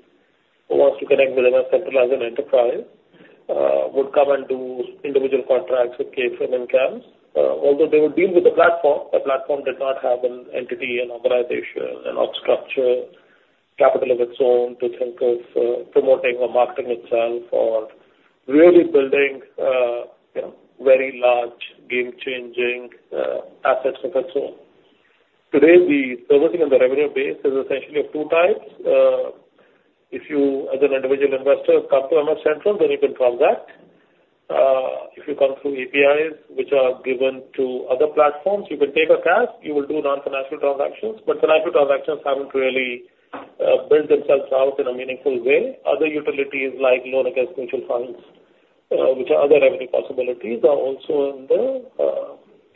who wants to connect with MF Central as an enterprise, would come and do individual contracts with KFin and CAMS. Although they would deal with the platform, the platform did not have an entity, an organization, an org structure, capital of its own to think of promoting or marketing itself or really building, you know, very large, game-changing assets of its own. Today, the servicing and the revenue base is essentially of two types. If you, as an individual investor, come to MF Central, then you can transact. If you come through APIs, which are given to other platforms, you can take cash. You will do non-financial transactions, but financial transactions haven't really built themselves out in a meaningful way. Other utilities like loan against mutual funds, which are other revenue possibilities, are also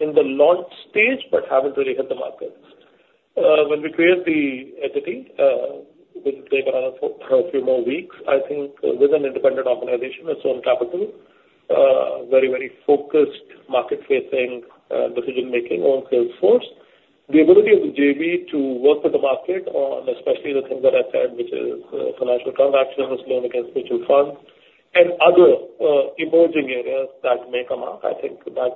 in the launch stage but haven't really hit the market. When we create the entity, which will take another four or a few more weeks, I think with an independent organization, its own capital, very, very focused market-facing decision-making on sales force. The ability of the JV to work with the market on especially the things that I said, which is financial transactions, loan against mutual funds and other emerging areas that may come up, I think that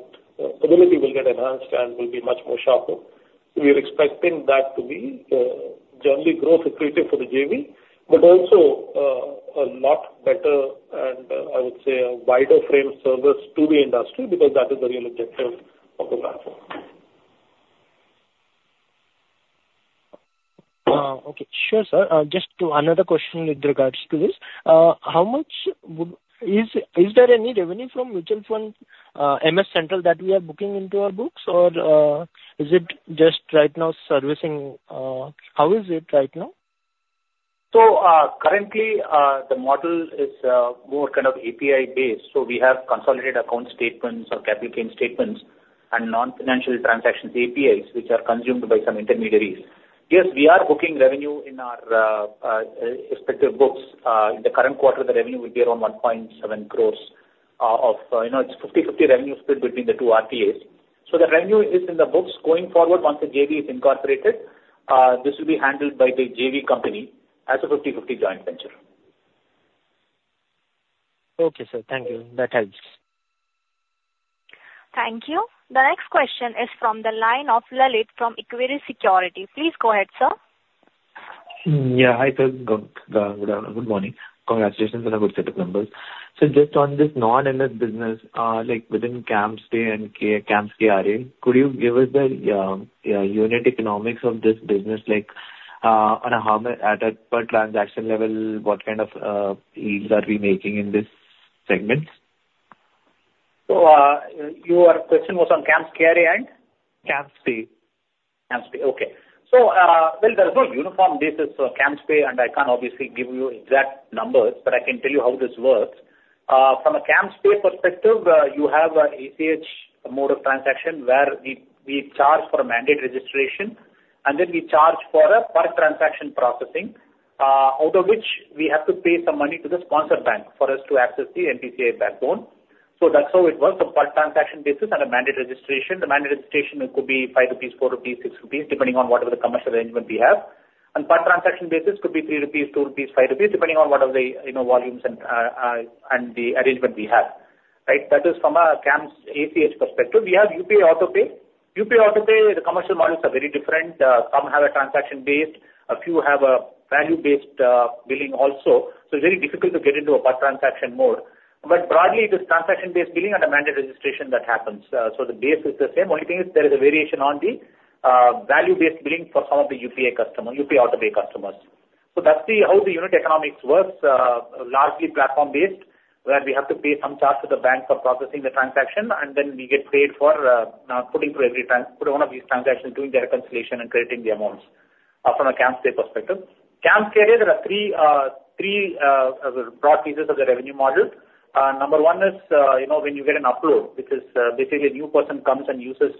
ability will get enhanced and will be much more sharper. We are expecting that to be generally growth accretive for the JV, but also a lot better and, I would say, a wider frame service to the industry, because that is the real objective of the platform. Okay. Sure, sir. Just to another question with regards to this. How much would... Is there any revenue from mutual fund, MF Central, that we are booking into our books? Or, is it just right now servicing? How is it right now? Currently, the model is more kind of API-based, so we have consolidated account statements or capital gain statements and non-financial transactions, APIs, which are consumed by some intermediaries. Yes, we are booking revenue in our respective books. In the current quarter, the revenue will be around 1.7 crores, you know, it's fifty/fifty revenue split between the two RTAs. The revenue is in the books. Going forward, once the JV is incorporated, this will be handled by the JV company as a fifty/fifty joint venture. Okay, sir. Thank you. That helps. Thank you. The next question is from the line of Lalit from Equirus Securities. Please go ahead, sir. Yeah. Hi, sir. Good morning. Congratulations on a good set of numbers. Just on this non-MF business, like within CAMSPay and CAMS KRA, could you give us the unit economics of this business? Like, on a per transaction level, what kind of yields are we making in this segment? Your question was on CAMS KRA and? CAMSPay. CAMSPay. Okay. There's no uniform basis for CAMSPay, and I can't obviously give you exact numbers, but I can tell you how this works. From a CAMSPay perspective, you have an ACH mode of transaction, where we charge for a mandate registration, and then we charge for a per transaction processing, out of which we have to pay some money to the sponsor bank for us to access the NPCI backbone. That's how it works, a per transaction basis and a mandate registration. The mandate registration, it could be 5 rupees, 4 rupees, 6 rupees, depending on whatever the commercial arrangement we have. And per transaction basis could be 3 rupees, 2 rupees, 5 rupees, depending on what are the, you know, volumes and the arrangement we have, right? That is from a CAMS ACH perspective. We have UPI AutoPay. UPI AutoPay, the commercial models are very different. Some have a transaction-based, a few have a value-based billing also, so it's very difficult to get into a per transaction mode, but broadly, it is transaction-based billing and a mandate registration that happens, so the base is the same. Only thing is there is a variation on the value-based billing for some of the UPI customer, UPI AutoPay customers, so that's how the unit economics works. Largely platform-based, where we have to pay some charge to the bank for processing the transaction, and then we get paid for putting through every one of these transactions, doing the reconciliation and crediting the amounts from a CAMSPay perspective. CAMS KRA, there are three broad pieces of the revenue model. Number one is, you know, when you get an upload, which is, basically a new person comes and uses,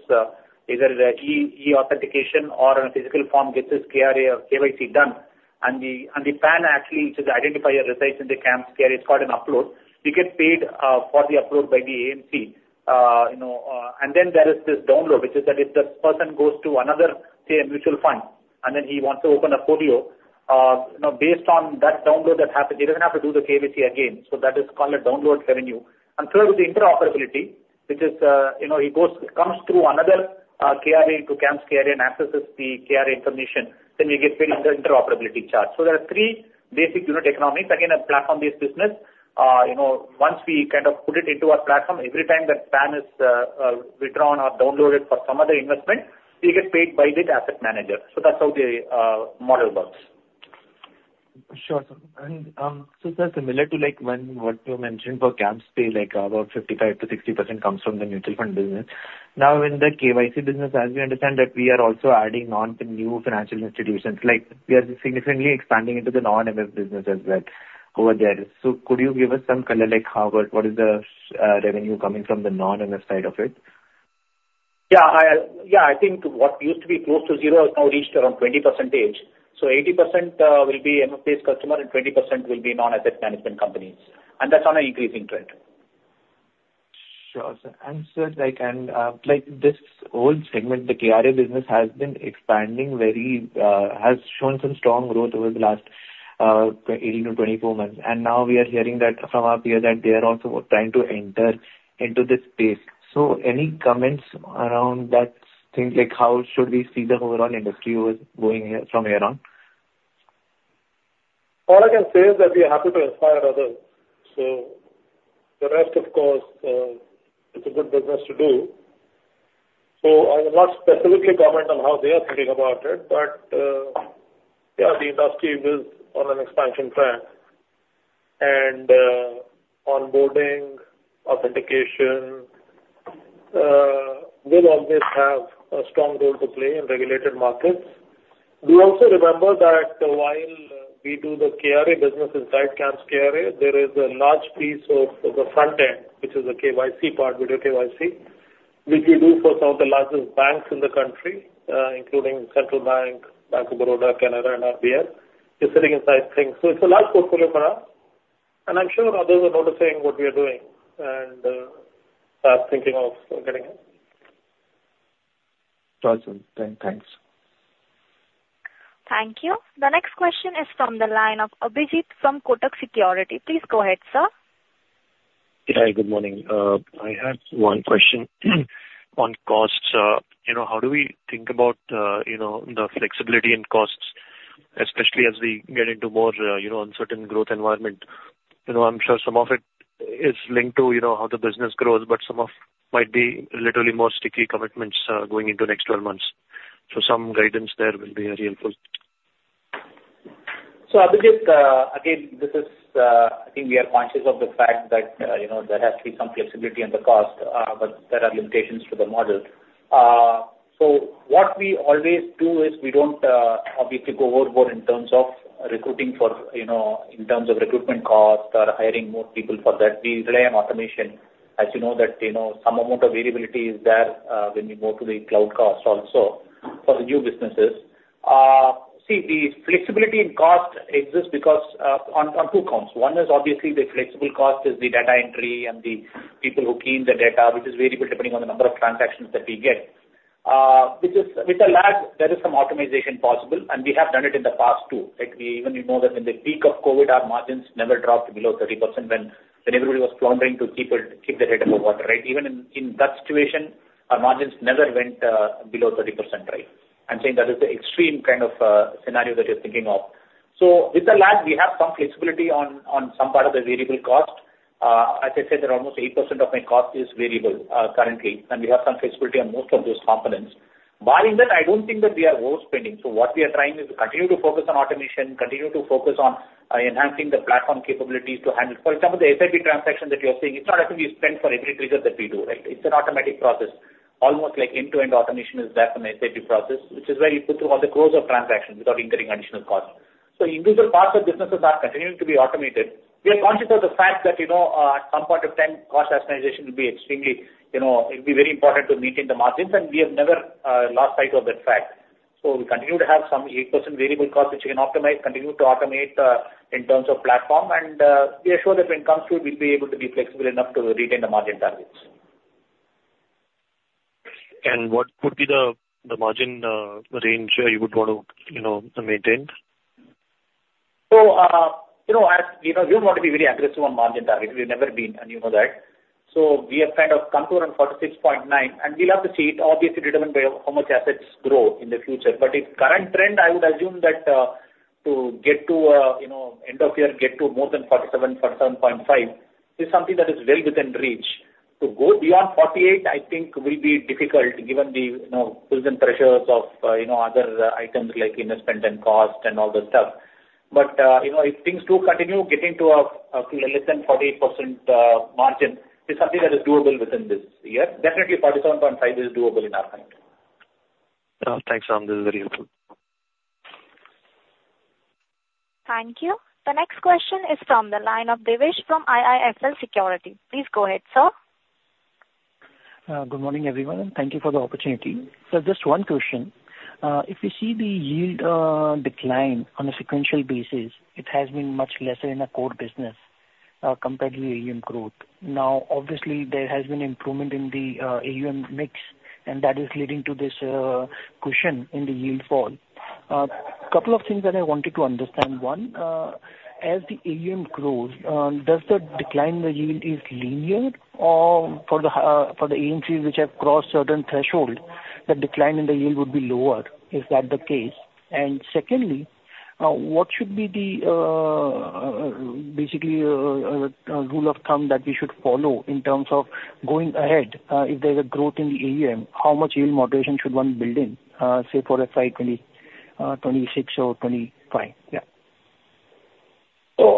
either the e-authentication or on a physical form, gets his KRA or KYC done. And the PAN actually, which is the identifier resides in the CAMS KRA, it's called an upload. We get paid, for the upload by the AMC. You know, and then there is this download, which is that if the person goes to another, say, a mutual fund, and then he wants to open a folio, now, based on that download that happened, he doesn't have to do the KYC again. So that is called a download revenue. And third is the interoperability, which is, you know, he goes, comes through another KRA into CAMS KRA and accesses the KRA information, then we get paid under interoperability charge. So there are three basic unit economics. Again, a platform-based business. You know, once we kind of put it into our platform, every time that PAN is withdrawn or downloaded for some other investment, we get paid by the asset manager. So that's how the model works. Sure, sir. And so sir, similar to like what you mentioned for CAMSPay, like about 55%-60% comes from the mutual fund business. Now, in the KYC business, as we understand that we are also adding on to new financial institutions, like we are significantly expanding into the non-MF business as well over there. So could you give us some color, like how about what is the revenue coming from the non-MF side of it? I think what used to be close to zero has now reached around 20%. So 80% will be MF-based customer, and 20% will be non-asset management companies, and that's on an increasing trend. Sure, sir. And sir, like, this whole segment, the KRA business has shown some strong growth over the last 18-24 months. And now we are hearing that from our peers that they are also trying to enter into this space. So any comments around that thing? Like, how should we see the overall industry was going here, from here on? All I can say is that we are happy to inspire others, so the rest, of course, it's a good business to do. So I will not specifically comment on how they are thinking about it, but, yeah, the industry is on an expansion track, and, onboarding, authentication, will always have a strong role to play in regulated markets. Do also remember that while we do the KRA business inside CAMS KRA, there is a large piece of the front end, which is the KYC part, video KYC, which we do for some of the largest banks in the country, including Central Bank, Bank of Baroda, Canara, and RBL, is sitting inside Think360. So it's a large portfolio for us, and I'm sure others are noticing what we are doing and, are thinking of getting in. Awesome. Thanks, thanks. Thank you. The next question is from the line of Abhijit from Kotak Securities. Please go ahead, sir. Yeah, good morning. I have one question on costs. You know, how do we think about, you know, the flexibility in costs, especially as we get into more, you know, uncertain growth environment? You know, I'm sure some of it is linked to, you know, how the business grows, but some of it might be literally more sticky commitments, going into next twelve months. So some guidance there will be very helpful. So Abhijit, again, this is, I think we are conscious of the fact that, you know, there has to be some flexibility in the cost, but there are limitations to the model. So what we always do is we don't obviously go overboard in terms of recruiting for, you know, in terms of recruitment costs or hiring more people for that. We rely on automation, as you know, that you know, some amount of variability is there, when you go to the cloud cost also for the new businesses. See, the flexibility in cost exists because, on two counts. One is obviously the flexible cost is the data entry and the people who clean the data, which is variable depending on the number of transactions that we get. Which is with a lag, there is some optimization possible, and we have done it in the past, too, right? We even know that in the peak of COVID, our margins never dropped below 30% when everybody was floundering to keep their head above water, right? Even in that situation, our margins never went below 30%, right? I'm saying that is the extreme kind of scenario that you're thinking of. So with the lag, we have some flexibility on some part of the variable cost. As I said, almost 8% of my cost is variable currently, and we have some flexibility on most of those components. Barring that, I don't think that we are overspending. So what we are trying is to continue to focus on automation, continue to focus on enhancing the platform capabilities to handle. For example, the SIP transaction that you are seeing, it's not as if we spend for every trigger that we do, right? It's an automatic process. Almost like end-to-end automation is there from an SIP process, which is where you go through all the course of transactions without incurring additional costs. So individual parts of businesses are continuing to be automated. We are conscious of the fact that, you know, at some point of time, cost optimization will be extremely, you know, it'll be very important to maintain the margins, and we have never lost sight of that fact. So we continue to have some 8% variable costs, which we can optimize, continue to automate, in terms of platform, and we are sure that when it comes to, we'll be able to be flexible enough to retain the margin targets. What would be the margin range you would want to, you know, maintain? So, you know, as you know, we don't want to be very aggressive on margin targets. We've never been, and you know that. So we have kind of come to around 46.9%, and we'll have to see it, obviously determined by how much assets grow in the future. But if current trend, I would assume that, to get to, you know, end of year, get to more than 47, 47.5%, is something that is well within reach. To go beyond 48%, I think will be difficult, given the, you know, pulls and pressures of, you know, other items like in the spend and cost and all that stuff. But, you know, if things do continue, getting to a, less than 48% margin is something that is doable within this year. Definitely, 47.5 is doable in our mind. Thanks, Ram. This is very helpful. Thank you. The next question is from the line of Devesh from IIFL Securities. Please go ahead, sir. Good morning, everyone, and thank you for the opportunity. So just one question. If you see the yield decline on a sequential basis, it has been much lesser in the core business compared to AUM growth. Now, obviously, there has been improvement in the AUM mix, and that is leading to this cushion in the yield fall. Couple of things that I wanted to understand. One, as the AUM grows, does the decline in the yield is linear, or for the AUMs which have crossed certain threshold, the decline in the yield would be lower? Is that the case? And secondly, what should be the basically rule of thumb that we should follow in terms of going ahead, if there's a growth in the AUM, how much yield moderation should one build in, say, for FY 2026 or 2025? Yeah. So,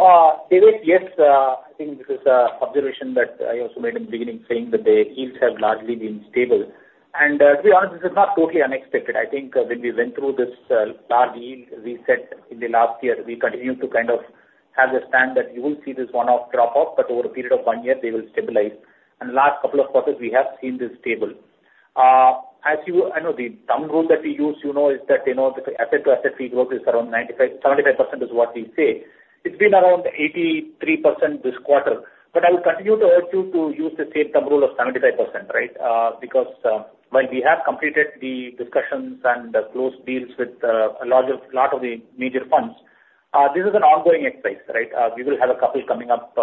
Devesh, yes, I think this is an observation that I also made in the beginning, saying that the yields have largely been stable. And to be honest, this is not totally unexpected. I think when we went through this large yield reset in the last year, we continued to kind of have the stand that you will see this one-off drop-off, but over a period of one year, they will stabilize. And the last couple of quarters, we have seen this stable. As you... I know the thumb rule that we use, you know, is that, you know, the asset-to-asset fee growth is around 95, 75% is what we say. It's been around 83% this quarter. But I will continue to urge you to use the same thumb rule of 75%, right? Because, while we have completed the discussions and closed deals with a larger lot of the major funds, this is an ongoing exercise, right? We will have a couple coming up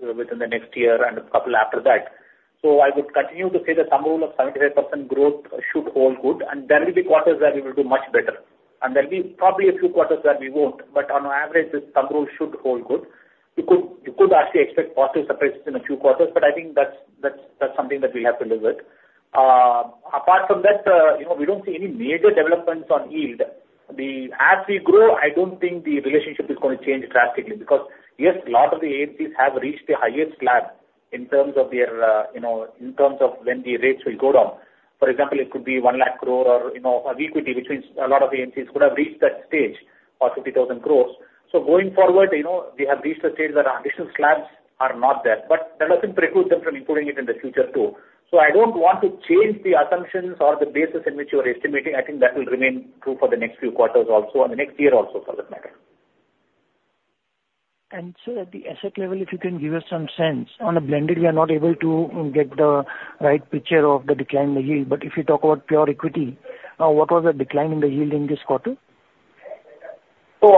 within the next year and a couple after that. So I would continue to say the thumb rule of 75% growth should hold good, and there will be quarters where we will do much better. ... and there'll be probably a few quarters where we won't, but on average, this thumb rule should hold good. You could actually expect positive surprises in a few quarters, but I think that's something that we'll have to live with. Apart from that, you know, we don't see any major developments on yield. As we grow, I don't think the relationship is going to change drastically, because yes, a lot of the AMCs have reached the highest slab in terms of their, you know, in terms of when the rates will go down. For example, it could be one lakh crore or, you know, of equity, which means a lot of AMCs could have reached that stage or fifty thousand crores. So going forward, you know, they have reached a stage where additional slabs are not there, but that doesn't preclude them from including it in the future, too. So I don't want to change the assumptions or the basis in which you are estimating. I think that will remain true for the next few quarters also, and the next year also, for that matter. Sir, at the asset level, if you can give us some sense. On a blended, we are not able to get the right picture of the decline in the yield, but if you talk about pure equity, what was the decline in the yield in this quarter? So,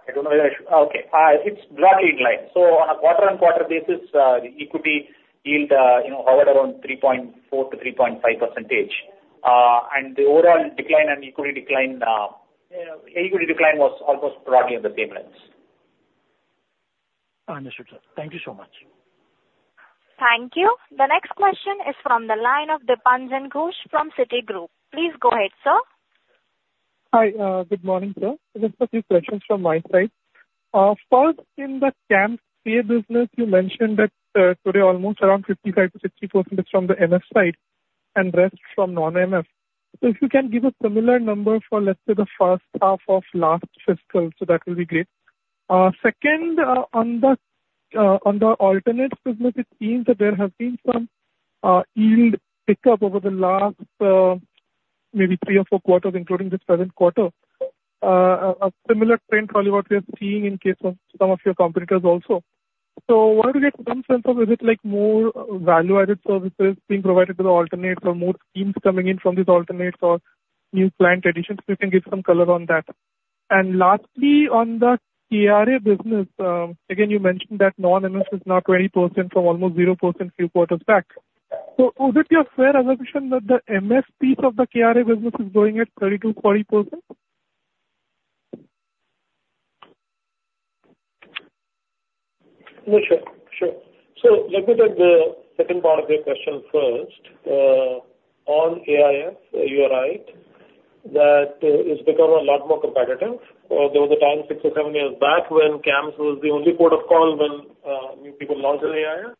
it's broadly in line. So on a quarter-on-quarter basis, the equity yield, you know, hovered around 3.4%-3.5%. And the overall decline on equity decline was almost broadly on the same lines. Understood, sir. Thank you so much. Thank you. The next question is from the line of Dipanjan Ghosh from Citigroup. Please go ahead, sir. Hi. Good morning, sir. Just a few questions from my side. First, in the CAMSPay business, you mentioned that today almost around 55%-60% is from the MF side and rest from non-MF. So if you can give a similar number for, let's say, the first half of last fiscal, so that will be great. Second, on the alternative business, it seems that there has been some yield pickup over the last maybe three or four quarters, including this current quarter. A similar trend, probably what we are seeing in case of some of your competitors also. So where do we get some sense of, is it like more value-added services being provided to the alternatives or more schemes coming in from these alternatives or new client additions? If you can give some color on that. And lastly, on the KRA business, again, you mentioned that non-MF is now 20% from almost 0% few quarters back. So would it be a fair assumption that the MF piece of the KRA business is growing at 30%-40%? Yeah, sure. Sure. So let me take the second part of your question first. On AIF, you are right, that it's become a lot more competitive. There was a time, six or seven years back, when CAMS was the only port of call when new people launched an AIF.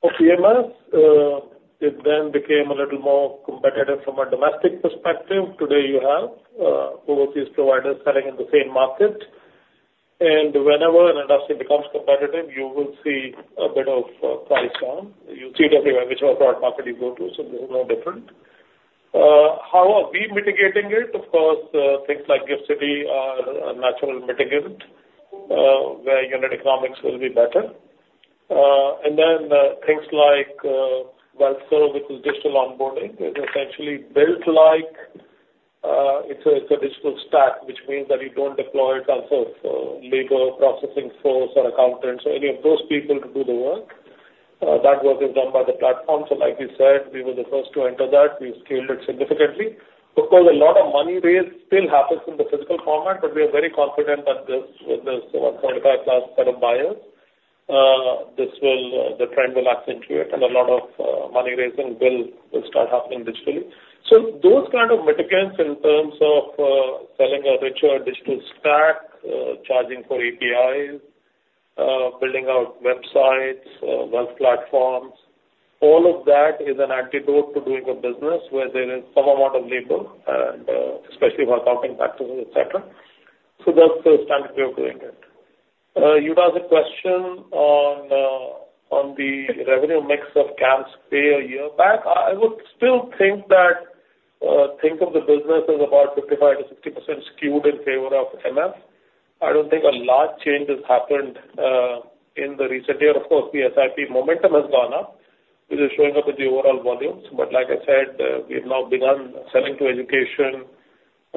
For PMS, it then became a little more competitive from a domestic perspective. Today, you have overseas providers selling in the same market. And whenever an industry becomes competitive, you will see a bit of price down. You see it everywhere, whichever product market you go to, so this is no different. How are we mitigating it? Of course, things like GIFT City are a natural mitigant, where unit economics will be better. And then, things like WealthServ with digital onboarding is essentially built like, it's a digital stack, which means that you don't deploy tons of labor, processing force or accountants or any of those people to do the work. That work is done by the platform. So like we said, we were the first to enter that. We've scaled it significantly. Of course, a lot of money raised still happens in the physical format, but we are very confident that this, with this one point five plus set of buyers, this will, the trend will accentuate and a lot of money raising will start happening digitally. So those kind of mitigants in terms of, selling a richer digital stack, charging for APIs, building out websites, wealth platforms, all of that is an antidote to doing a business where there is some amount of labor and, especially while talking factors, et cetera. So that's the standard way of doing it. You asked a question on, on the revenue mix of CAMSPay a year back. I would still think that, think of the business as about 55%-60% skewed in favor of MF. I don't think a large change has happened, in the recent year. Of course, the SIP momentum has gone up, which is showing up in the overall volumes. But like I said, we've now begun selling to education,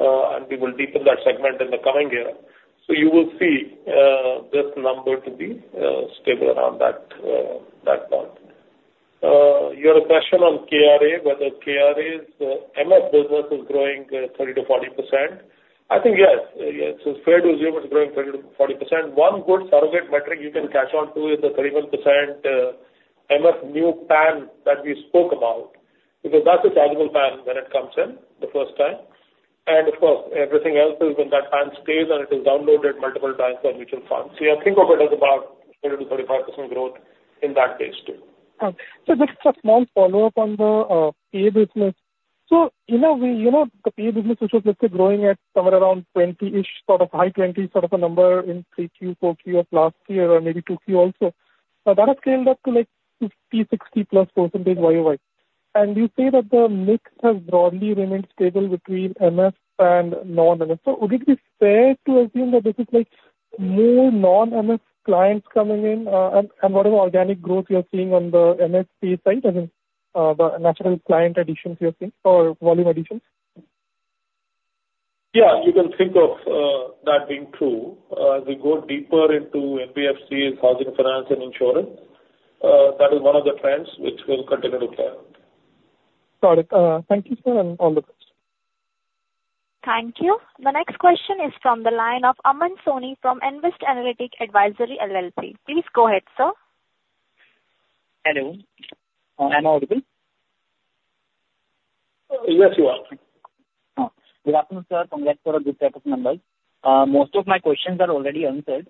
and we will deepen that segment in the coming year. So you will see, this number to be stable around that, that point. Your question on KRA, whether KRA's MF business is growing 30-40%. I think, yes, yes, it's fair to assume it's growing 30-40%. One good surrogate metric you can catch on to is the 31% MF new PAN that we spoke about, because that's a tangible PAN when it comes in the first time. And of course, everything else is when that PAN stays, and it is downloaded multiple times for mutual funds. So yeah, think of it as about 30-35% growth in that space, too. So just a small follow-up on the pay business. So in a way, you know, the pay business, which was, let's say, growing at somewhere around twenty-ish, sort of high twenties, sort of a number in 3Q, 4Q of last year or maybe 2Q also. So that has scaled up to, like, 50, 60 plus% YoY. And you say that the mix has broadly remained stable between MF and non-MF. So would it be fair to assume that this is, like, more non-MF clients coming in, and whatever organic growth you're seeing on the MF pay side, as in the net client additions you're seeing or volume additions? Yeah, you can think of that being true. We go deeper into NBFC, housing finance and insurance. That is one of the trends which will continue to play out. Got it. Thank you, sir, and all the best. Thank you. The next question is from the line of Aman Soni from Invest Analytics Advisory LLC. Please go ahead, sir. Hello. Am I audible? Yes, you are. Oh, good afternoon, sir. Congrats for a good set of numbers. Most of my questions are already answered.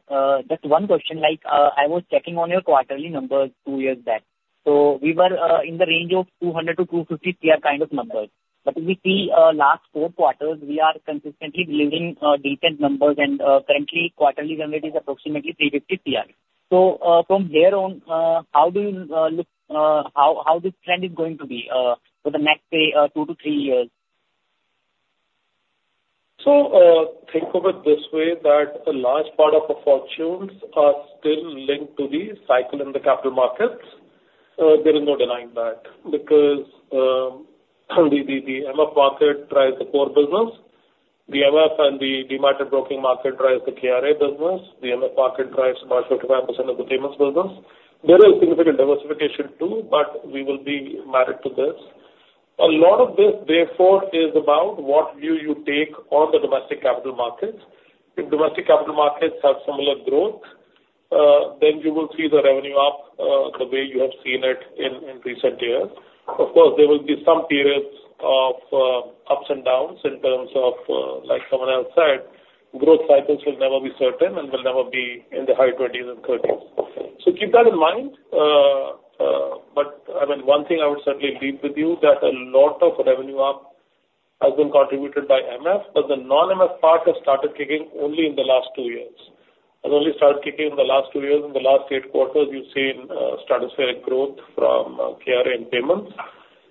Just one question, like, I was checking on your quarterly numbers two years back. So we were in the range of 200-250 CR kind of numbers. But we see last four quarters, we are consistently delivering decent numbers and currently, quarterly number is approximately 350 CR. So, from there on, how do you look, how this trend is going to be for the next 2-3 years? Think of it this way, that a large part of our fortunes are still linked to the cycle in the capital markets. There is no denying that because the MF market drives the core business. The MF and the demat and broking market drives the KRA business. The MF market drives about 45% of the payments business. There is significant diversification, too, but we will be married to this. A lot of this, therefore, is about what view you take on the domestic capital markets. If domestic capital markets have similar growth, then you will see the revenue up, the way you have seen it in recent years. Of course, there will be some periods of ups and downs in terms of, like someone else said, growth cycles will never be certain and will never be in the high twenties and thirties. So keep that in mind, but I mean, one thing I would certainly leave with you, that a lot of revenue up has been contributed by MF, but the non-MF part has started kicking only in the last two years. It only started kicking in the last two years. In the last eight quarters, you've seen stratospheric growth from KRA and payments.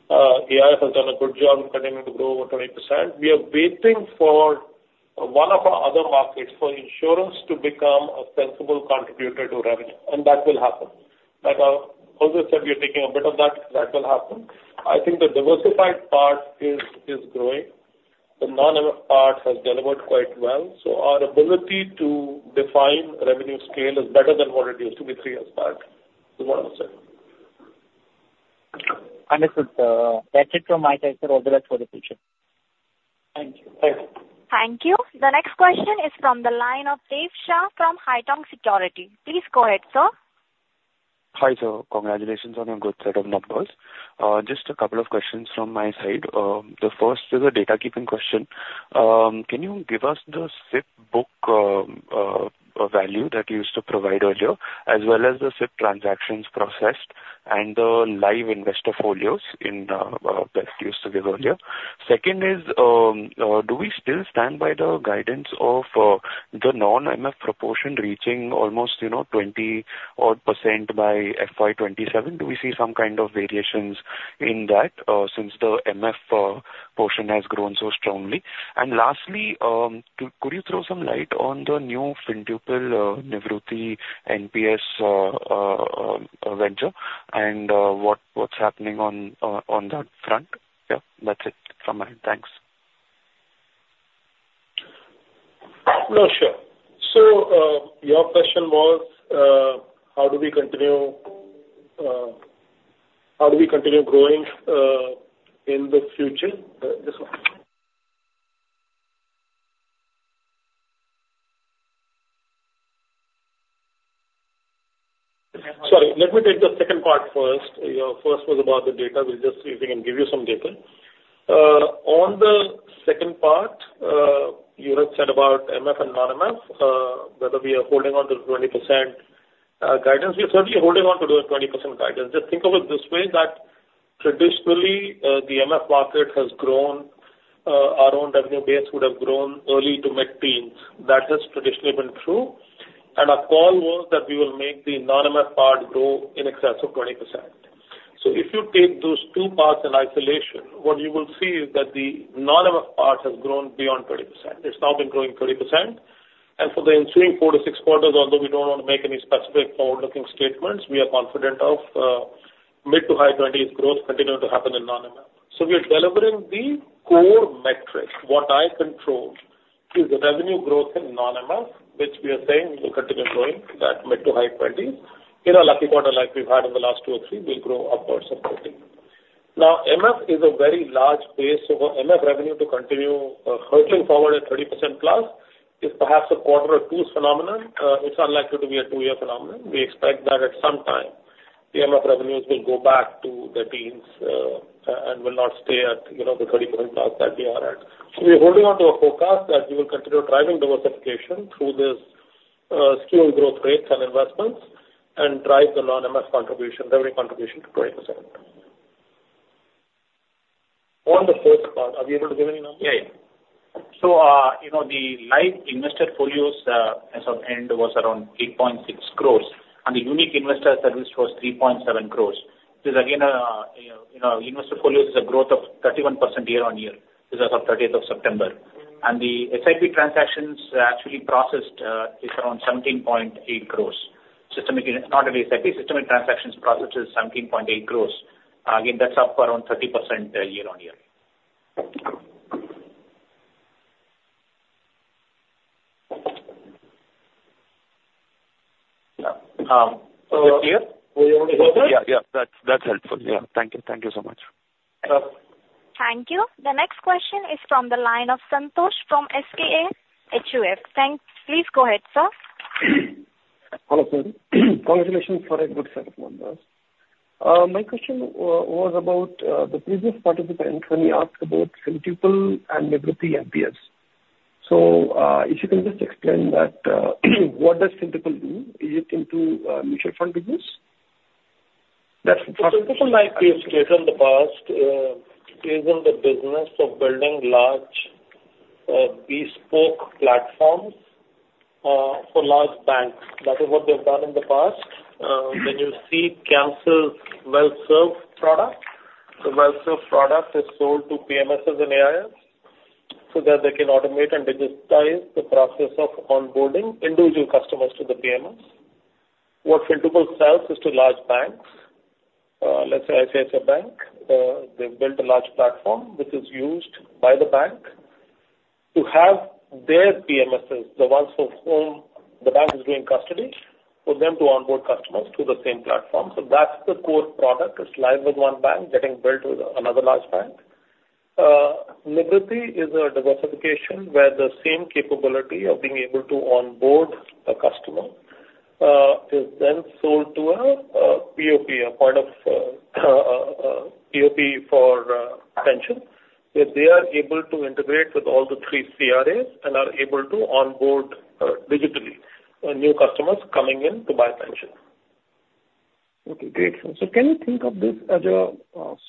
AIF has done a good job continuing to grow over 20%. We are waiting for one of our other markets, for insurance to become a sensible contributor to revenue, and that will happen. Like I also said, we are taking a bet of that. That will happen. I think the diversified part is growing. The non-MF part has delivered quite well, so our ability to define revenue scale is better than what it used to be three years back. So well said. Understood, sir. That's it from my side, sir. All the best for the future. Thank you. Bye. Thank you. The next question is from the line of Dev Shah from Haitong Securities. Please go ahead, sir. Hi, sir. Congratulations on your good set of numbers. Just a couple of questions from my side. The first is a data keeping question. Can you give us the SIP book value that you used to provide earlier, as well as the SIP transactions processed and the live investor folios that you used to give earlier? Second is, do we still stand by the guidance of the non-MF proportion reaching almost, you know, 20-odd% by FY 2027? Do we see some kind of variations in that, since the MF portion has grown so strongly? And lastly, could you throw some light on the new Fintuple Nivriti NPS venture, and what's happening on that front? Yeah. That's it from my end. Thanks. No, sure. So, your question was, how do we continue growing, in the future? This one. Sorry, let me take the second part first. Your first was about the data. We'll just see if we can give you some data. On the second part, you had said about MF and non-MF, whether we are holding on to the 20% guidance. We are certainly holding on to the 20% guidance. Just think of it this way, that traditionally, the MF market has grown. Our own revenue base would have grown early to mid-teens. That has traditionally been true. And our call was that we will make the non-MF part grow in excess of 20%. So if you take those two parts in isolation, what you will see is that the non-MF part has grown beyond 20%. It's now been growing 30%. And for the ensuing four to six quarters, although we don't want to make any specific forward-looking statements, we are confident of mid- to high-20s growth continuing to happen in non-MF. So we are delivering the core metrics. What I control is the revenue growth in non-MF, which we are saying will continue growing at mid- to high-20s. In a lucky quarter, like we've had in the last 2 or 3, we'll grow upwards of 30. Now, MF is a very large base, so for MF revenue to continue hurtling forward at 30% plus is perhaps a quarter or two's phenomenon. It's unlikely to be a 2-year phenomenon. We expect that at some time, the MF revenues will go back to the teens, and will not stay at, you know, the 30% plus that they are at. So we're holding on to a forecast that we will continue driving diversification through this, scaled growth rates and investments, and drive the non-MF contribution, revenue contribution to 20%. On the first part, are you able to give any number? Yeah, yeah. So, you know, the live investor folios, as of end, was around 8.6 crores, and the unique investors served was 3.7 crores. This is again, a, you know, investor folios is a growth of 31% year-on-year. This as of thirtieth of September. And the SIP transactions actually processed, is around 17.8 crores. Systematic, not only SIP, systematic transactions processed is 17.8 crores. Again, that's up around 30%, year-on-year.... Yeah. Is it clear? Yeah, yeah, that's, that's helpful. Yeah. Thank you. Thank you so much. Yeah. Thank you. The next question is from the line of Santosh from SKA HUF. Thanks. Please go ahead, sir. Hello, sir. Congratulations for a good set of numbers. My question was about the previous participant when he asked about Fintuple and Nivriti NPS. So, if you can just explain that, what does Fintuple do? Is it into mutual fund business? That's the first- Fintuple, like we have stated in the past, is in the business of building large, bespoke platforms, for large banks. That is what they've done in the past. When you see CAMS' WealthServ product, the WealthServ product is sold to PMSs and AIFs, so that they can automate and digitize the process of onboarding individual customers to the PMS. What Fintuple sells is to large banks. Let's say, I say it's a bank, they've built a large platform which is used by the bank to have their PMSs, the ones for whom the bank is doing custody, for them to onboard customers to the same platform. So that's the core product. It's live with one bank, getting built with another large bank. Nivriti is a diversification, where the same capability of being able to onboard a customer is then sold to a POP, a point of presence for pension. Where they are able to integrate with all the three CRAs and are able to onboard digitally new customers coming in to buy pension. Okay, great. So can you think of this as a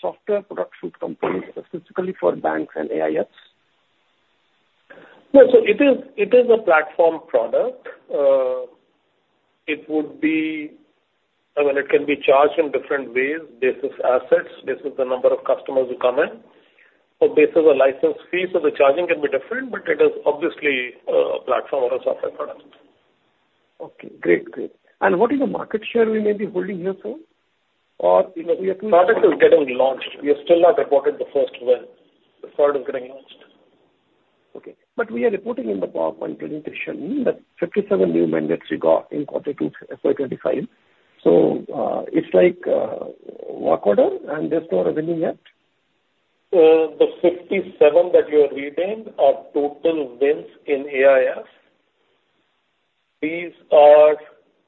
software product company specifically for banks and AIFs? No. So it is a platform product. It would be. I mean, it can be charged in different ways, basis assets, basis the number of customers who come in, or basis a license fee. So the charging can be different, but it is obviously a platform or a software product. Okay, great. Great. And what is the market share we may be holding here, sir? Or, you know, we are- Product is getting launched. We have still not onboarded the first client. Okay. But we are reporting in the PowerPoint presentation that 57 new mandates we got in quarter two, FY 2025. So, it's like, work order, and there's no revenue yet? The 57 that you are reading are total wins in AIF. These are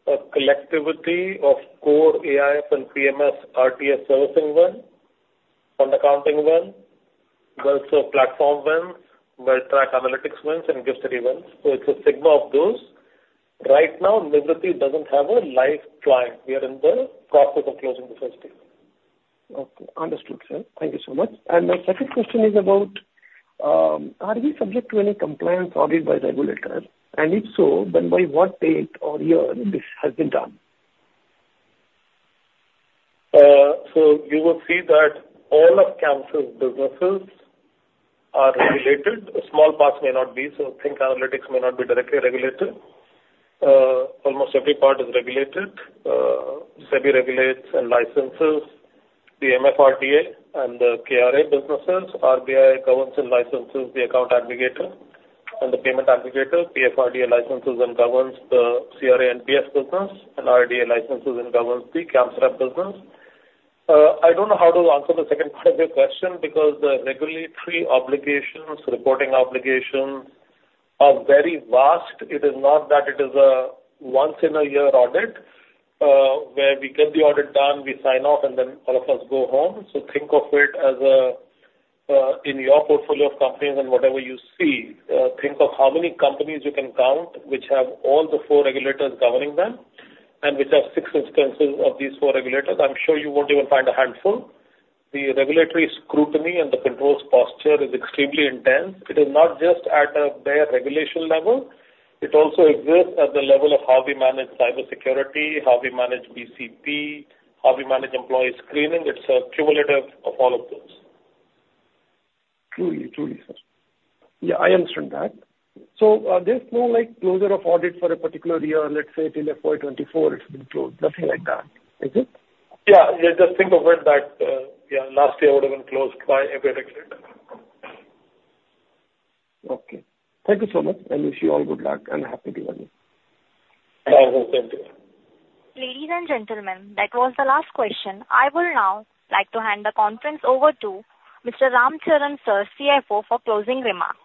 a collectivity of core AIF and PMS, REITs, WealthServ, fund accounting, WealthServ platform wins, WealthTrak Analytics wins, and GIFT wins, so it's a sigma of those. Right now, Nivriti doesn't have a live client. We are in the process of closing the first deal. Okay, understood, sir. Thank you so much. And my second question is about, are we subject to any compliance audit by regulators? And if so, then by what date or year this has been done? So you will see that all of CAMS's businesses are regulated. A small part may not be, so Think360 may not be directly regulated. Almost every part is regulated. SEBI regulates and licenses the MF RTA and the KRA businesses. RBI governs and licenses the account aggregator and the payment aggregator. PFRDA licenses and governs the CRA NPS business, and IRDA licenses and governs the insurance repository business. I don't know how to answer the second part of your question, because the regulatory obligations, reporting obligations, are very vast. It is not that it is a once-a-year audit, where we get the audit done, we sign off, and then all of us go home. So think of it as a... In your portfolio of companies and whatever you see, think of how many companies you can count which have all the four regulators governing them, and which have six instances of these four regulators. I'm sure you won't even find a handful. The regulatory scrutiny and the controls posture is extremely intense. It is not just at a bare regulation level, it also exists at the level of how we manage cybersecurity, how we manage BCP, how we manage employee screening. It's a cumulative of all of those. Truly, truly, sir. Yeah, I understand that. So, there's no, like, closure of audit for a particular year, let's say till FY 2024, it's been closed, nothing like that, is it? Yeah, yeah. Just think of it that, yeah, last year would have been closed by everything. Okay. Thank you so much, and wish you all good luck and happy Diwali. Thank you. Ladies and gentlemen, that was the last question. I would now like to hand the conference over to Mr. Ram Charan, sir, CFO, for closing remarks.